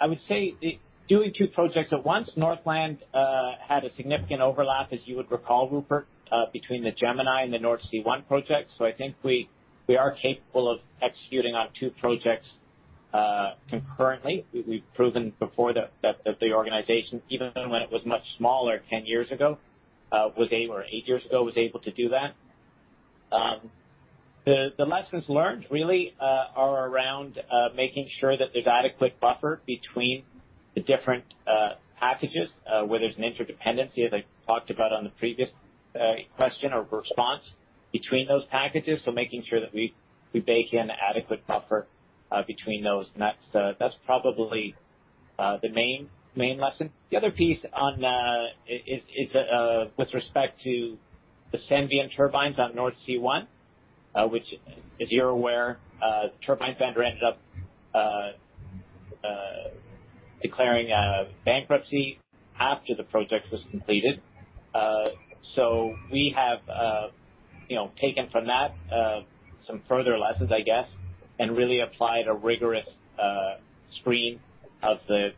I would say, the doing two projects at once, Northland had a significant overlap, as you would recall, Rupert, between the Gemini and the Nordsee One projects. So I think we are capable of executing on two projects concurrently. We've proven before that the organization, even when it was much smaller 10 years ago—or 8 years ago—was able to do that. The lessons learned really are around making sure that there's adequate buffer between the different packages where there's an interdependency, as I talked about on the previous question or response between those packages. So making sure that we bake in an adequate buffer between those. And that's probably the main lesson. The other piece is with respect to the Senvion turbines on Nordsee One, which as you're aware, the turbine vendor ended up declaring bankruptcy after the project was completed. So we have, you know, taken from that some further lessons, I guess, and really applied a rigorous screen of the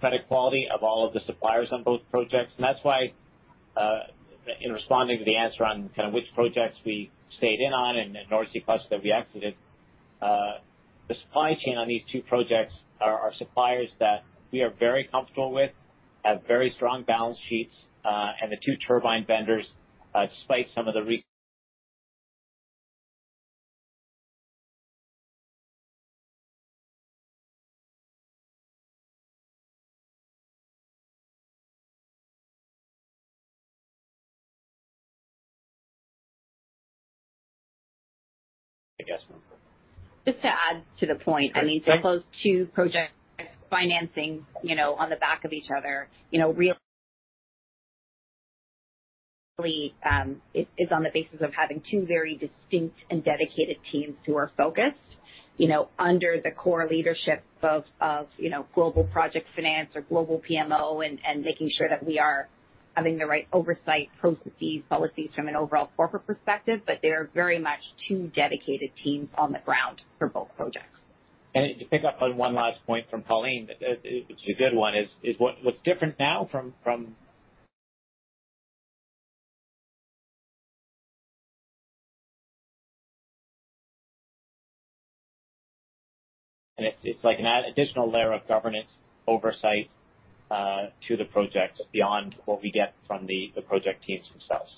credit quality of all of the suppliers on both projects. And that's why, in responding to the answer on kind of which projects we stayed in on and Nordsee Cluster that we exited, the supply chain on these two projects are suppliers that we are very comfortable with, have very strong balance sheets, and the two turbine vendors, despite some of the re- Just to add to the point, I mean, those two projects, financing, you know, on the back of each other, you know, really is on the basis of having two very distinct and dedicated teams who are focused, you know, under the core leadership of you know, global project finance or global PMO, and making sure that we are having the right oversight processes, policies from an overall corporate perspective. But they are very much two dedicated teams on the ground for both projects. To pick up on one last point from Pauline, it's a good one, is what’s different now from, from... And it's like an additional layer of governance oversight to the projects beyond what we get from the project teams themselves.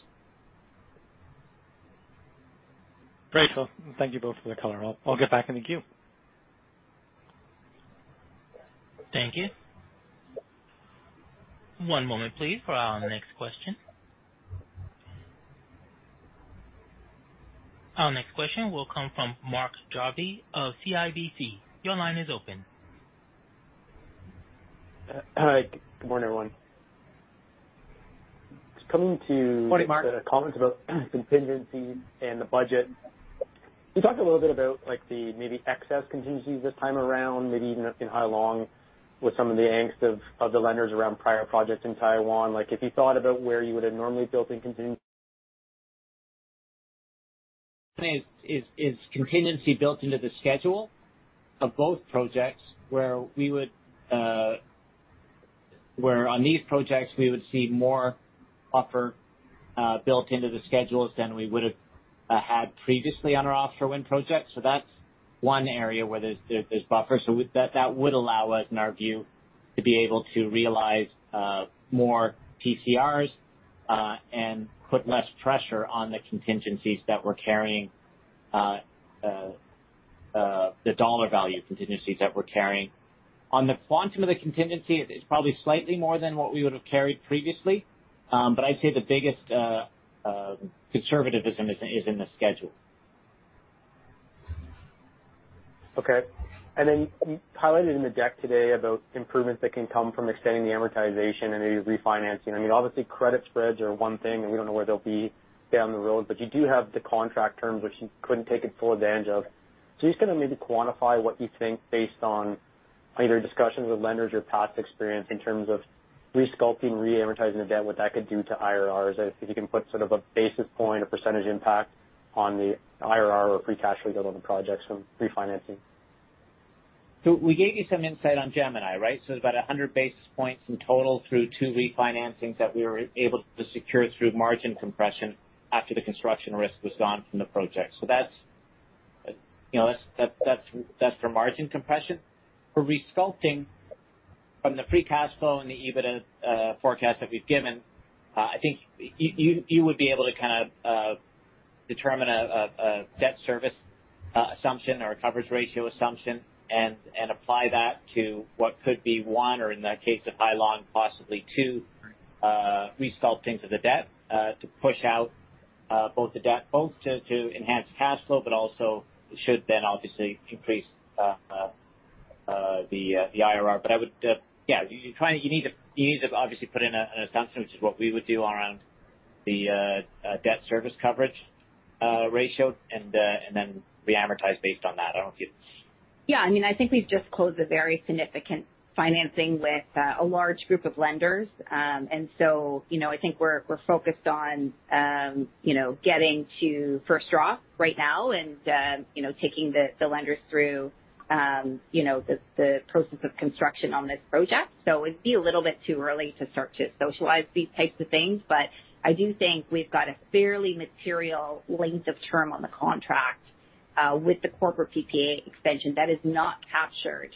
Great. Well, thank you both for the color. I'll, I'll get back in the queue. Thank you. One moment, please, for our next question. Our next question will come from Mark Jarvi of CIBC. Your line is open. Hi, good morning, everyone. Just coming to- Morning, Mark. -the comments about contingencies and the budget. Can you talk a little bit about, like, the maybe excess contingencies this time around, maybe even in Hai Long with some of the angst of, of the lenders around prior projects in Taiwan, like, if you thought about where you would have normally built in conting- I mean, is contingency built into the schedule of both projects where we would... Where on these projects, we would see more buffer built into the schedules than we would have had previously on our offshore wind projects. So that's one area where there's buffer. So that would allow us, in our view, to be able to realize more TCRs and put less pressure on the contingencies that we're carrying, the dollar value contingencies that we're carrying. On the quantum of the contingency, it's probably slightly more than what we would have carried previously. But I'd say the biggest conservatism is in the schedule. Okay. Then you highlighted in the deck today about improvements that can come from extending the amortization and maybe refinancing. I mean, obviously, credit spreads are one thing, and we don't know where they'll be down the road, but you do have the contract terms, which you couldn't take it full advantage of. So just gonna maybe quantify what you think based on either discussions with lenders or past experience in terms of resculpting, re-amortizing the debt, what that could do to IRRs, if you can put sort of a basis point, a percentage impact on the IRR or free cash flow build on the projects from refinancing. So we gave you some insight on Gemini, right? So it's about 100 basis points in total through two refinancings that we were able to secure through margin compression after the construction risk was gone from the project. So that's, you know, that's for margin compression. For resculpting from the free cash flow and the EBITDA forecast that we've given, I think you would be able to kind of determine a debt service assumption or a coverage ratio assumption and apply that to what could be one or in the case of Hai Long, possibly two resculptings of the debt to push out both the debt, both to enhance cash flow, but also should then obviously increase the IRR. But I would... Yeah, you kind of—you need to. You need to obviously put in an assumption, which is what we would do around the debt service coverage ratio, and then reamortize based on that. I don't know if you- Yeah, I mean, I think we've just closed a very significant financing with a large group of lenders. And so, you know, I think we're focused on you know, getting to first draw right now and you know, taking the lenders through you know, the process of construction on this project. So it'd be a little bit too early to start to socialize these types of things, but I do think we've got a fairly material length of term on the contract with the corporate PPA extension that is not captured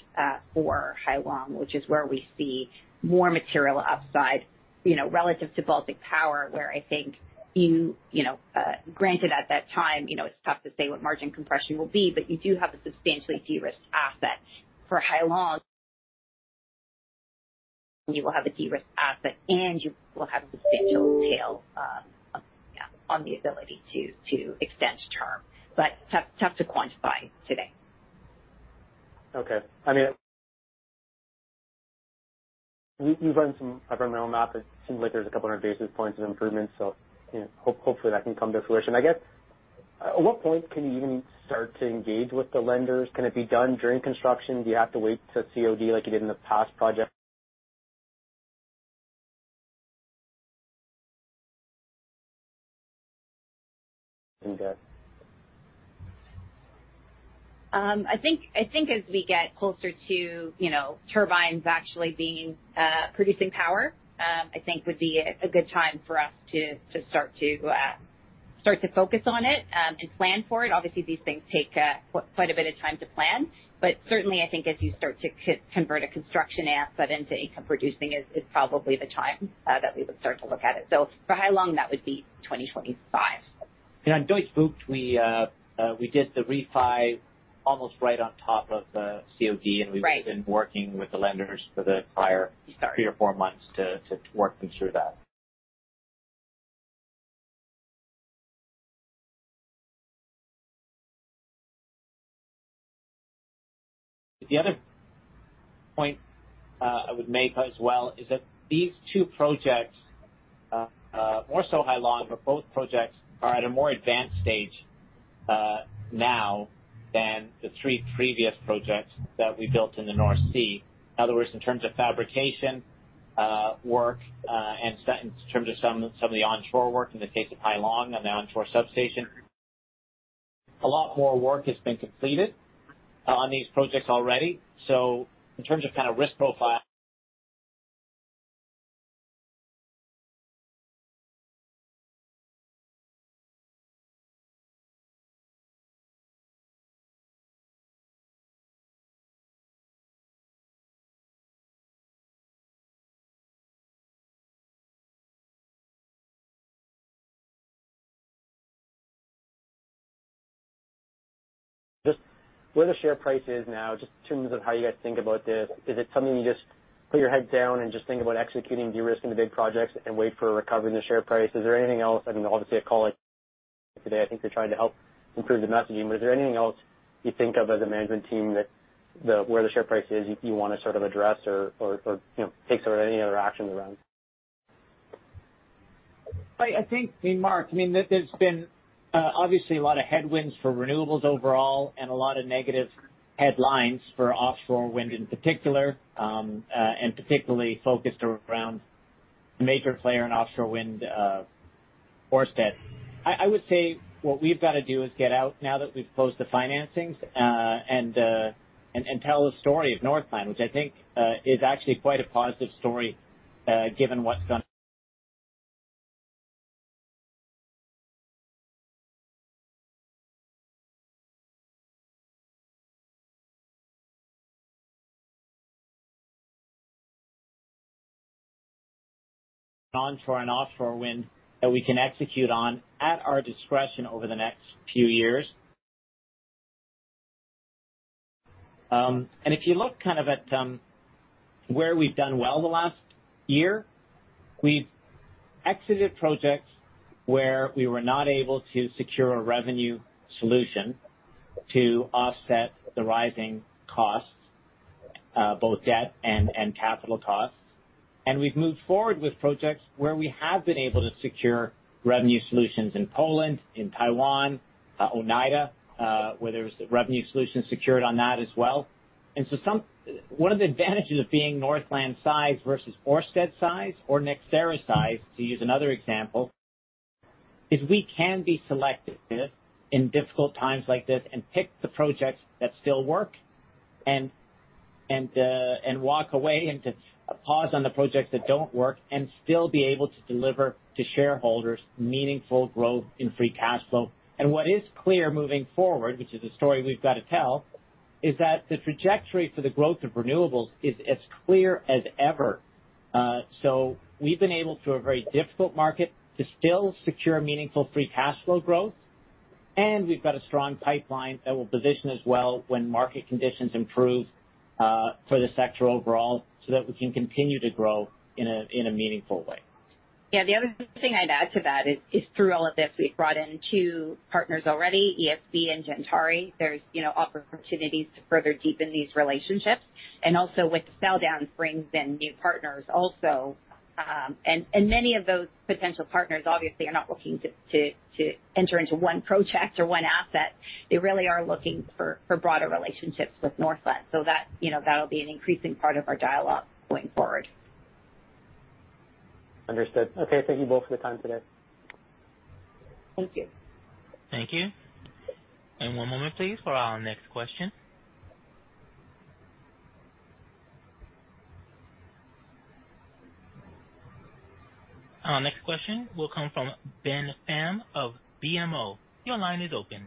for Hai Long, which is where we see more material upside, you know, relative to Baltic Power, where I think you know, granted, at that time, you know, it's tough to say what margin compression will be, but you do have a substantially de-risked asset. For Hai Long, you will have a de-risked asset, and you will have a substantial tail, on the ability to extend term, but tough to quantify today. Okay. I mean, you've run some. I've run my own math. It seems like there's a couple hundred basis points of improvement, so, you know, hopefully that can come to fruition. I guess, at what point can you even start to engage with the lenders? Can it be done during construction? Do you have to wait to COD like you did in the past project? And... I think, I think as we get closer to, you know, turbines actually being producing power, I think would be a good time for us to start to focus on it and plan for it. Obviously, these things take quite a bit of time to plan, but certainly I think as you start to convert a construction asset into income producing is probably the time that we would start to look at it. So for Hai Long, that would be 2025. Yeah, on Deutsche Bucht, we did the refi almost right on top of the COD- Right. And we've been working with the lenders for the prior three or four months to work them through that. The other point I would make as well is that these two projects, more so Hai Long, but both projects are at a more advanced stage now than the three previous projects that we built in the North Sea. In other words, in terms of fabrication work, and in terms of some of the onshore work in the case of Hai Long on the onshore substation, a lot more work has been completed on these projects already. So in terms of kind of risk profile... Just where the share price is now, just in terms of how you guys think about this, is it something you just put your head down and just think about executing, de-risking the big projects and wait for a recovery in the share price? Is there anything else? I mean, obviously, a call like today, I think you're trying to help improve the messaging, but is there anything else you think of as a management team that the, where the share price is, you wanna sort of address or, you know, take sort of any other actions around? I think, I mean, Mark, I mean, there's been obviously a lot of headwinds for renewables overall and a lot of negative headlines for offshore wind in particular, and particularly focused around the major player in offshore wind, Ørsted. I would say what we've got to do is get out, now that we've closed the financings, and tell the story of Northland, which I think is actually quite a positive story, given what's gone... Onshore and offshore wind that we can execute on at our discretion over the next few years. And if you look kind of at where we've done well in the last year, we've exited projects where we were not able to secure a revenue solution to offset the rising costs, both debt and capital costs. And we've moved forward with projects where we have been able to secure revenue solutions in Poland, in Taiwan, Oneida, where there was revenue solutions secured on that as well. One of the advantages of being Northland size versus Ørsted size or NextEra size, to use another example, is we can be selective in difficult times like this and pick the projects that still work and walk away and to pause on the projects that don't work and still be able to deliver to shareholders meaningful growth in free cash flow. And what is clear moving forward, which is a story we've got to tell, is that the trajectory for the growth of renewables is as clear as ever. So we've been able, through a very difficult market, to still secure meaningful free cash flow growth, and we've got a strong pipeline that will position us well when market conditions improve for the sector overall, so that we can continue to grow in a meaningful way.... Yeah, the other thing I'd add to that is through all of this, we've brought in two partners already, ESB and Gentari. There's, you know, opportunities to further deepen these relationships. And also with sell down brings in new partners also. And many of those potential partners obviously are not looking to enter into one project or one asset. They really are looking for broader relationships with Northland, so that, you know, that'll be an increasing part of our dialogue going forward. Understood. Okay. Thank you both for the time today. Thank you. Thank you. One moment please, for our next question. Our next question will come from Ben Pham of BMO. Your line is open.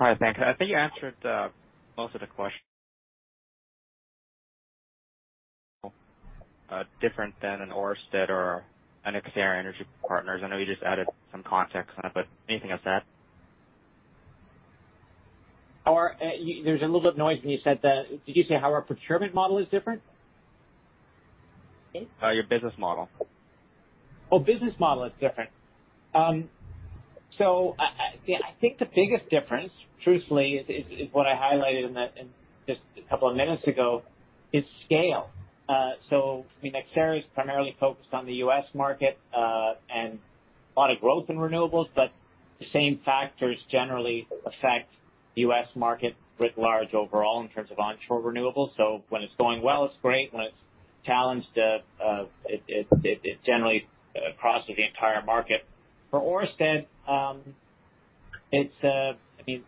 Hi, Ben. I think you answered most of the question. Different than an Ørsted or an NextEra Energy Partners. I know you just added some context on it, but anything else to add? There's a little bit of noise when you said that. Did you say how our procurement model is different? Your business model? Oh, business model is different. So, yeah, I think the biggest difference, truthfully, is what I highlighted in just a couple of minutes ago, is scale. So I mean, NextEra is primarily focused on the U.S. market, and a lot of growth in renewables, but the same factors generally affect the U.S. market writ large overall in terms of onshore renewables. So when it's going well, it's great. When it's challenged, it generally crosses the entire market. For Ørsted, it's a, I mean,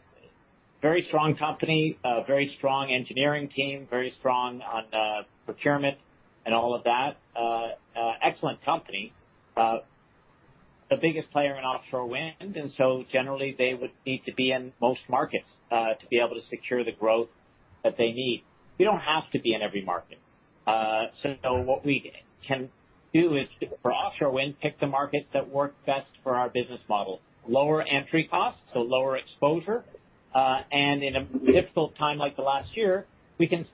very strong company, a very strong engineering team, very strong on procurement and all of that. Excellent company, the biggest player in offshore wind, and so generally they would need to be in most markets, to be able to secure the growth that they need. We don't have to be in every market. So what we can do is for offshore wind, pick the markets that work best for our business model. Lower entry costs, so lower exposure. And in a difficult time, like the last year, we can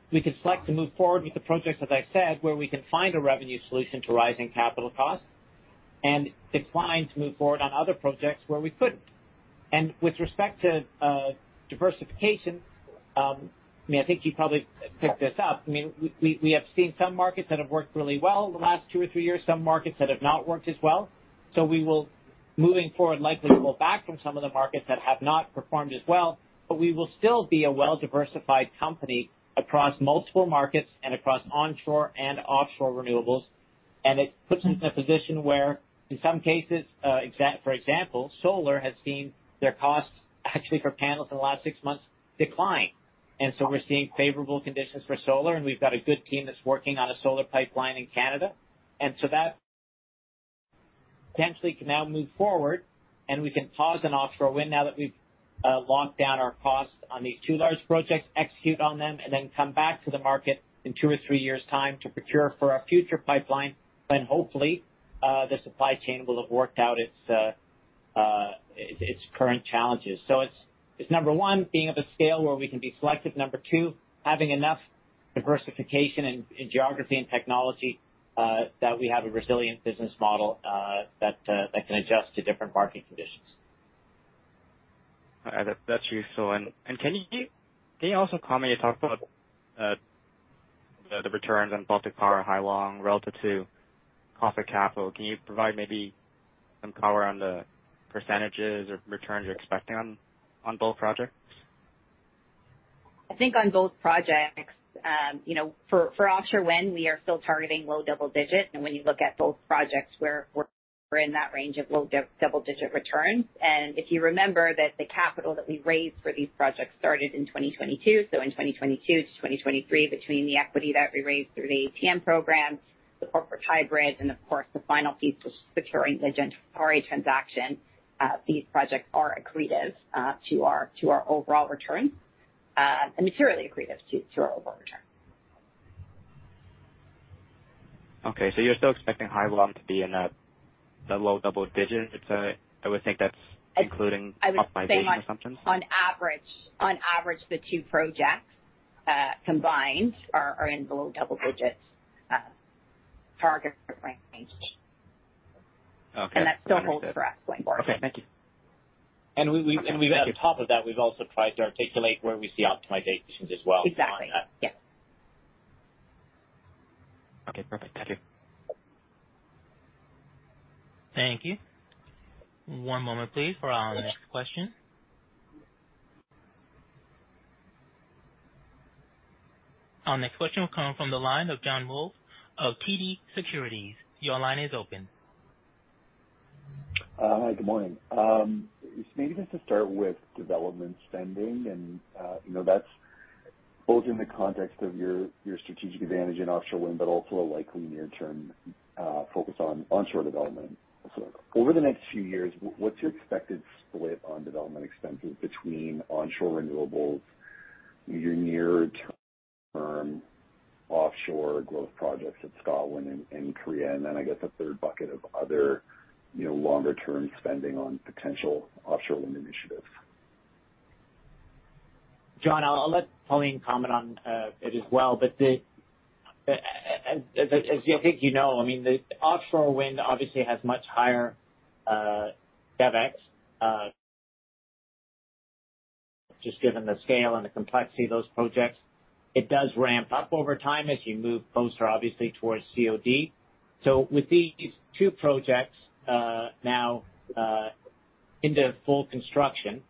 select to move forward with the projects, as I said, where we can find a revenue solution to rising capital costs and decline to move forward on other projects where we couldn't. And with respect to diversification, I mean, I think you probably picked this up. I mean, we have seen some markets that have worked really well in the last two or three years, some markets that have not worked as well. So we will, moving forward, likely pull back from some of the markets that have not performed as well. But we will still be a well-diversified company across multiple markets and across onshore and offshore renewables. And it puts us in a position where, in some cases, for example, solar has seen their costs actually for panels in the last six months decline. And so we're seeing favorable conditions for solar, and we've got a good team that's working on a solar pipeline in Canada. And so that potentially can now move forward, and we can pause on offshore wind now that we've locked down our costs on these two large projects, execute on them and then come back to the market in two or three years' time to procure for our future pipeline. And hopefully, the supply chain will have worked out its current challenges. So it's number one, being of a scale where we can be selective. Number two, having enough diversification in geography and technology, that we have a resilient business model, that, that can adjust to different market conditions. That's useful. Can you also comment? You talked about the returns on Baltic Power, Hai Long relative to cost of capital. Can you provide maybe some color on the percentages or returns you're expecting on both projects? I think on both projects, you know, for offshore wind, we are still targeting low double digit. And when you look at both projects, we're in that range of low double-digit returns. And if you remember that the capital that we raised for these projects started in 2022. So in 2022 to 2023, between the equity that we raised through the ATM program, the corporate hybrid, and of course, the final piece, which is securing the Gentari transaction, these projects are accretive to our overall returns, and materially accretive to our overall returns. Okay, so you're still expecting Hai Long to be in that low double digit? I would think that's including optimization assumptions. On average, the two projects combined are in the low double digits target range. Okay. That still holds for us going forward. Okay. Thank you. And we've on top of that, we've also tried to articulate where we see optimizations as well. Exactly. Yes. Okay, perfect. Thank you. Thank you. One moment please, for our next question. Our next question will come from the line of John Mould of TD Securities. Your line is open. Hi, good morning. Maybe just to start with development spending, and, you know, that's both in the context of your strategic advantage in offshore wind, but also a likely near-term focus on onshore development. So over the next few years, what's your expected split on development expenses between onshore renewables, your near-term offshore growth projects at Scotland and Korea, and then I guess a third bucket of other, you know, longer-term spending on potential offshore wind initiatives? John, I'll let Pauline comment on it as well, but as I think you know, I mean, the offshore wind obviously has much higher CapEx just given the scale and the complexity of those projects. It does ramp up over time as you move closer, obviously, towards COD. So with these two projects now into full construction,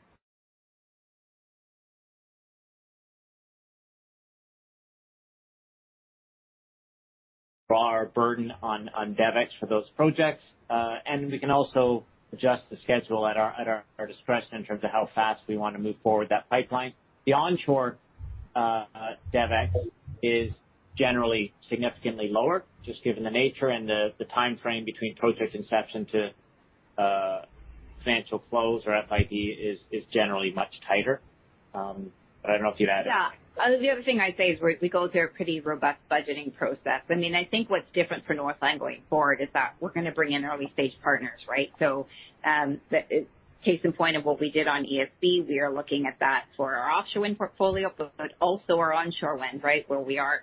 our burden on CapEx for those projects, and we can also adjust the schedule at our discretion in terms of how fast we want to move forward with that pipeline. The onshore CapEx is generally significantly lower, just given the nature and the timeframe between project inception to financial close or FID is generally much tighter. But I don't know if you'd add anything. Yeah. The other thing I'd say is we go through a pretty robust budgeting process. I mean, I think what's different for Northland going forward is that we're gonna bring in early-stage partners, right? So, the case in point of what we did on ESB, we are looking at that for our offshore wind portfolio, but also our onshore wind, right, where we are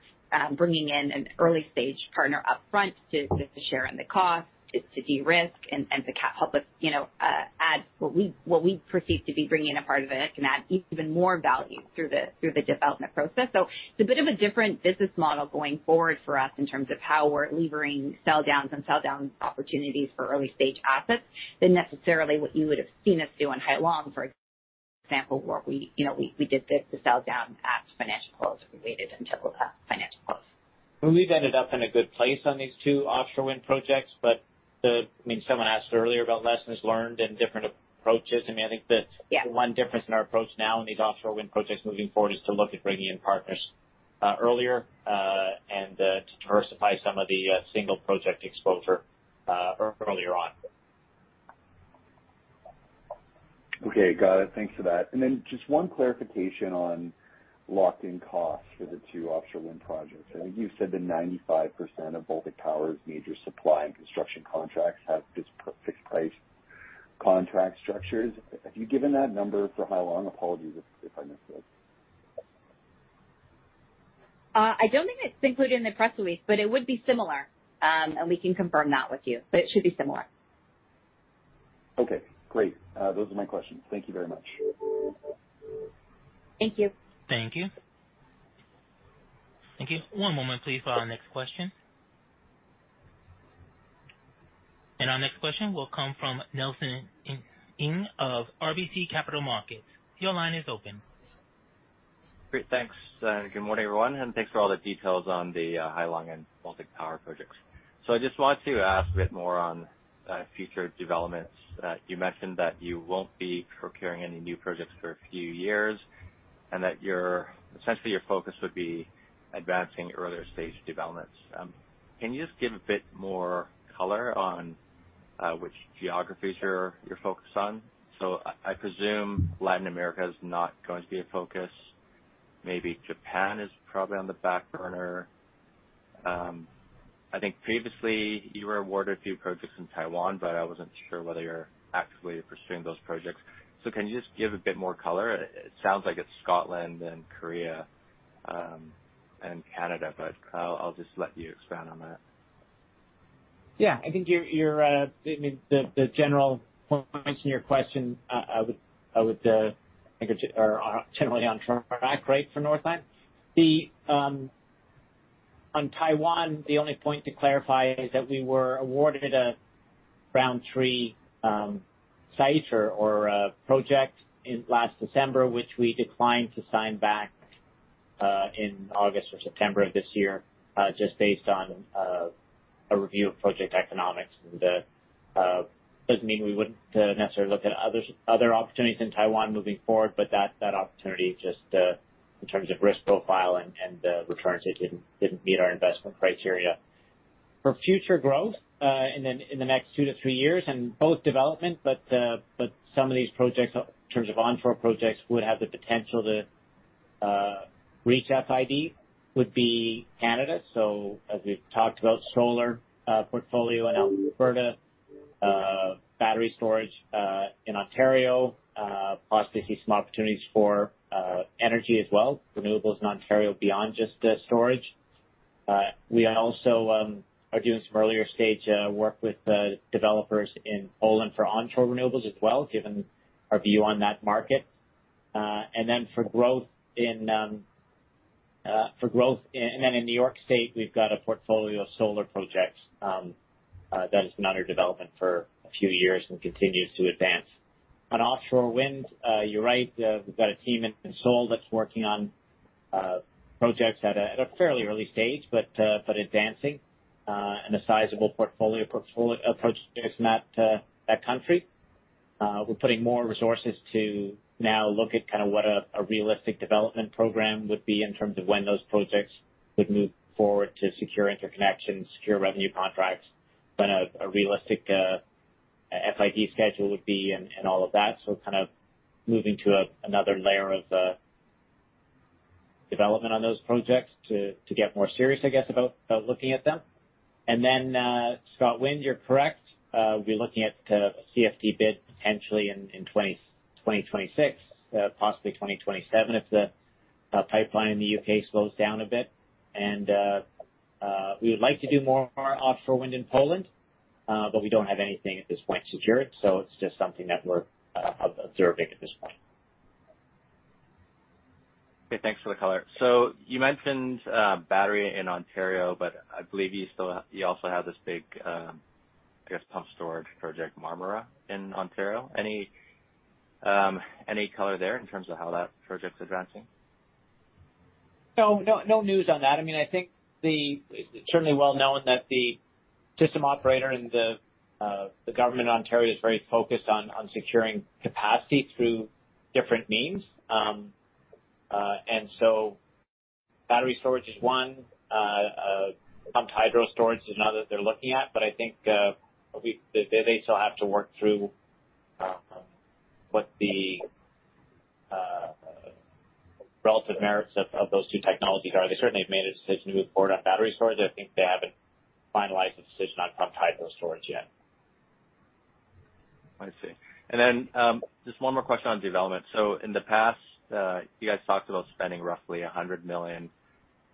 bringing in an early-stage partner upfront to just to share in the cost, to de-risk and to help us, you know, add what we perceive to be bringing a part of it and add even more value through the development process. So it's a bit of a different business model going forward for us in terms of how we're levering sell downs and sell down opportunities for early-stage assets than necessarily what you would have seen us do on Hai Long, for example, where we, you know, we did the sell down at financial close. We waited until financial close. Well, we've ended up in a good place on these two offshore wind projects, but the... I mean, someone asked earlier about lessons learned and different approaches. I mean, I think that- Yeah The one difference in our approach now in these offshore wind projects moving forward is to look at bringing in partners earlier and to diversify some of the single project exposure earlier on. Okay. Got it. Thanks for that. And then just one clarification on locked-in costs for the two offshore wind projects. I know you said that 95% of Baltic Power's major supply and construction contracts have fixed price contract structures. Have you given that number for Hai Long? Apologies if, if I missed it. I don't think it's included in the press release, but it would be similar. We can confirm that with you, but it should be similar. Okay, great. Those are my questions. Thank you very much. Thank you. Thank you. Thank you. One moment, please, for our next question. Our next question will come from Nelson Ng of RBC Capital Markets. Your line is open. Great. Thanks, and good morning, everyone, and thanks for all the details on the Hai Long and Baltic Power projects. So I just wanted to ask a bit more on future developments. You mentioned that you won't be procuring any new projects for a few years, and that your essentially your focus would be advancing earlier-stage developments. Can you just give a bit more color on which geographies you're, you're focused on? So I presume Latin America is not going to be a focus. Maybe Japan is probably on the back burner. I think previously you were awarded a few projects in Taiwan, but I wasn't sure whether you're actively pursuing those projects. So can you just give a bit more color? It sounds like it's Scotland and Korea and Canada, but I'll just let you expand on that. Yeah. I think you're, I mean, the general points in your question, I would think are generally on track, right, for Northland. On Taiwan, the only point to clarify is that we were awarded a Round 3 site or a project in last December, which we declined to sign back in August or September of this year, just based on a review of project economics. Doesn't mean we wouldn't necessarily look at other opportunities in Taiwan moving forward, but that opportunity, just in terms of risk profile and returns, it didn't meet our investment criteria. For future growth, in the next 2-3 years, and both development, but some of these projects, in terms of onshore projects, would have the potential to reach FID, would be Canada. So as we've talked about solar portfolio in Alberta, battery storage in Ontario, possibly see some opportunities for energy as well, renewables in Ontario beyond just storage. We also are doing some earlier stage work with developers in Poland for onshore renewables as well, given our view on that market. And then for growth... And then in New York State, we've got a portfolio of solar projects that is another development for a few years and continues to advance. On offshore wind, you're right. We've got a team in Seoul that's working on projects at a fairly early stage, but advancing, and a sizable portfolio approach in that country. We're putting more resources to now look at kind of what a realistic development program would be in terms of when those projects would move forward to secure interconnection, secure revenue contracts, when a realistic FID schedule would be and all of that. So kind of moving to another layer of development on those projects to get more serious, I guess, about looking at them. And then, ScotWind, you're correct. We're looking at a CFD bid potentially in 2026, possibly 2027, if the pipeline in the U.K. slows down a bit. We would like to do more offshore wind in Poland, but we don't have anything at this point secured, so it's just something that we're observing at this point. Okay, thanks for the color. So you mentioned battery in Ontario, but I believe you still have, you also have this big, I guess, pumped storage project, Marmora, in Ontario. Any, any color there in terms of how that project's advancing? No, no, no news on that. I mean, I think it's certainly well known that the system operator and the government of Ontario is very focused on securing capacity through different means. And so battery storage is one. Pumped hydro storage is another they're looking at, but I think they still have to work through what the relative merits of those two technologies are. They certainly have made a decision to move forward on battery storage. I think they haven't finalized the decision on pumped hydro storage yet. I see. And then, just one more question on development. So in the past, you guys talked about spending roughly 100 million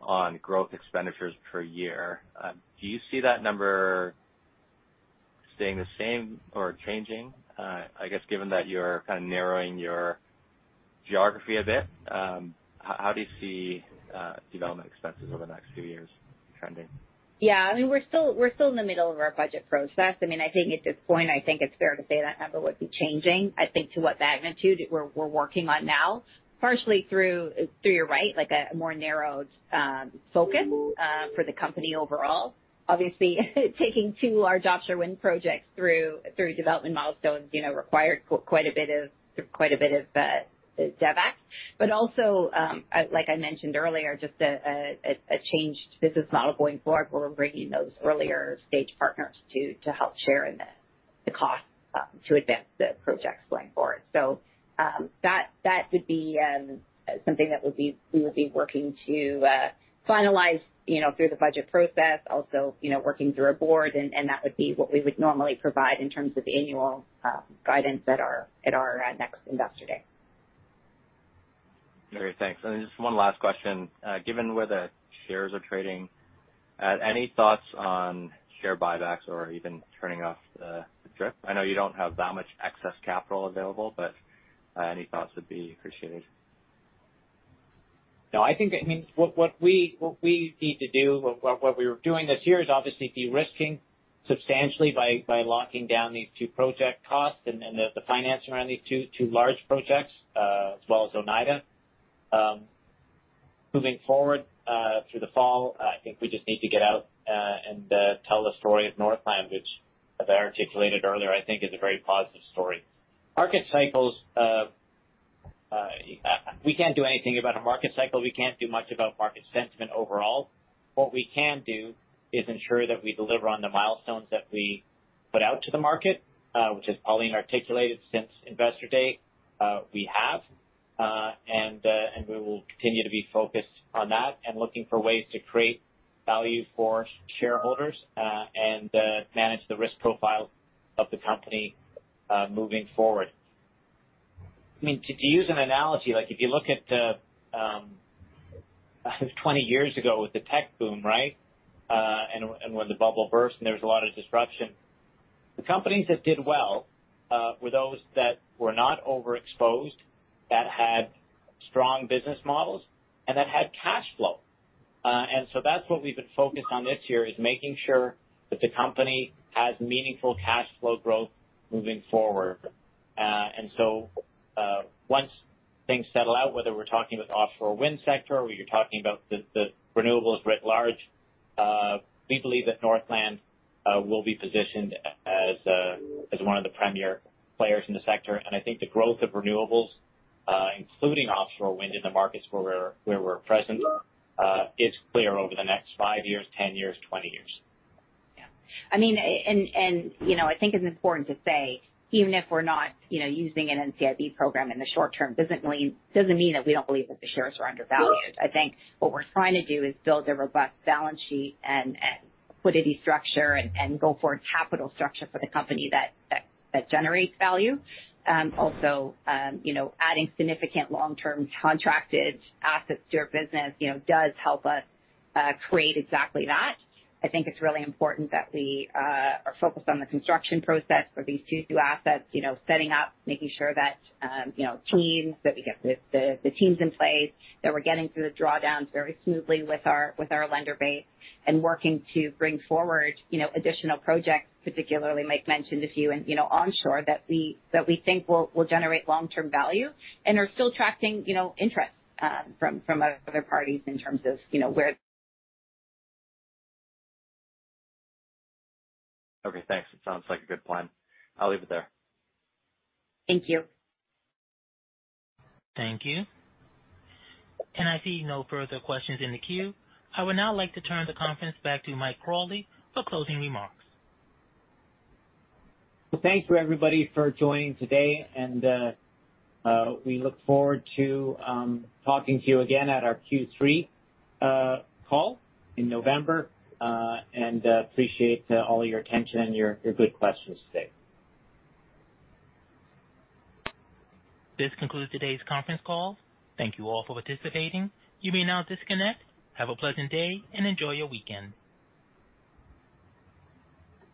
on growth expenditures per year. Do you see that number staying the same or changing? I guess given that you're kind of narrowing your geography a bit, how do you see development expenses over the next few years trending? Yeah, I mean, we're still in the middle of our budget process. I mean, I think at this point, I think it's fair to say that number would be changing. I think to what magnitude we're working on now, partially through you're right, like a more narrowed focus for the company overall. Obviously, taking two large offshore wind projects through development milestones, you know, required quite a bit of DevEx. But also, like I mentioned earlier, just a changed business model going forward where we're bringing those earlier stage partners to help share in the cost to advance the projects going forward. So, that would be something that we would be working to finalize, you know, through the budget process. Also, you know, working through our board, and that would be what we would normally provide in terms of annual guidance at our next Investor Day. Great, thanks. And then just one last question. Given where the shares are trading, any thoughts on share buybacks or even turning off the DRIP? I know you don't have that much excess capital available, but, any thoughts would be appreciated. No, I think, I mean, what we need to do, what we were doing this year is obviously de-risking substantially by locking down these two project costs and the financing around these two large projects, as well as Oneida. Moving forward, through the fall, I think we just need to get out and tell the story of Northland, which as I articulated earlier, I think is a very positive story. Market cycles, we can't do anything about a market cycle. We can't do much about market sentiment overall. What we can do is ensure that we deliver on the milestones that we put out to the market, which is Pauline articulated since Investor Day, we have, and, and we will continue to be focused on that and looking for ways to create value for shareholders, and, manage the risk profile of the company, moving forward. I mean, to, to use an analogy, like if you look at, 20 years ago with the tech boom, right? And, and when the bubble burst and there was a lot of disruption, the companies that did well, were those that were not overexposed, that had strong business models and that had cash flow. And so that's what we've been focused on this year, is making sure that the company has meaningful cash flow growth moving forward. And so, once things settle out, whether we're talking about the offshore wind sector or you're talking about the renewables writ large, we believe that Northland will be positioned as one of the premier players in the sector. And I think the growth of renewables, including offshore wind in the markets where we're present, is clear over the next 5 years, 10 years, 20 years. Yeah. I mean, and, you know, I think it's important to say, even if we're not, you know, using an NCIB program in the short term, doesn't mean that we don't believe that the shares are undervalued. I think what we're trying to do is build a robust balance sheet and liquidity structure and go forward capital structure for the company that generates value. Also, you know, adding significant long-term contracted assets to our business, you know, does help us create exactly that. I think it's really important that we are focused on the construction process for these two new assets, you know, setting up, making sure that, you know, teams, that we get the teams in place, that we're getting through the drawdowns very smoothly with our lender base, and working to bring forward, you know, additional projects, particularly Mike mentioned a few and, you know, onshore, that we think will generate long-term value and are still attracting, you know, interest from other parties in terms of, you know, where- Okay, thanks. It sounds like a good plan. I'll leave it there. Thank you. Thank you. I see no further questions in the queue. I would now like to turn the conference back to Mike Crawley for closing remarks. Well, thanks for everybody for joining today, and we look forward to talking to you again at our Q3 call in November. And appreciate all your attention and your good questions today. This concludes today's conference call. Thank you all for participating. You may now disconnect. Have a pleasant day and enjoy your weekend.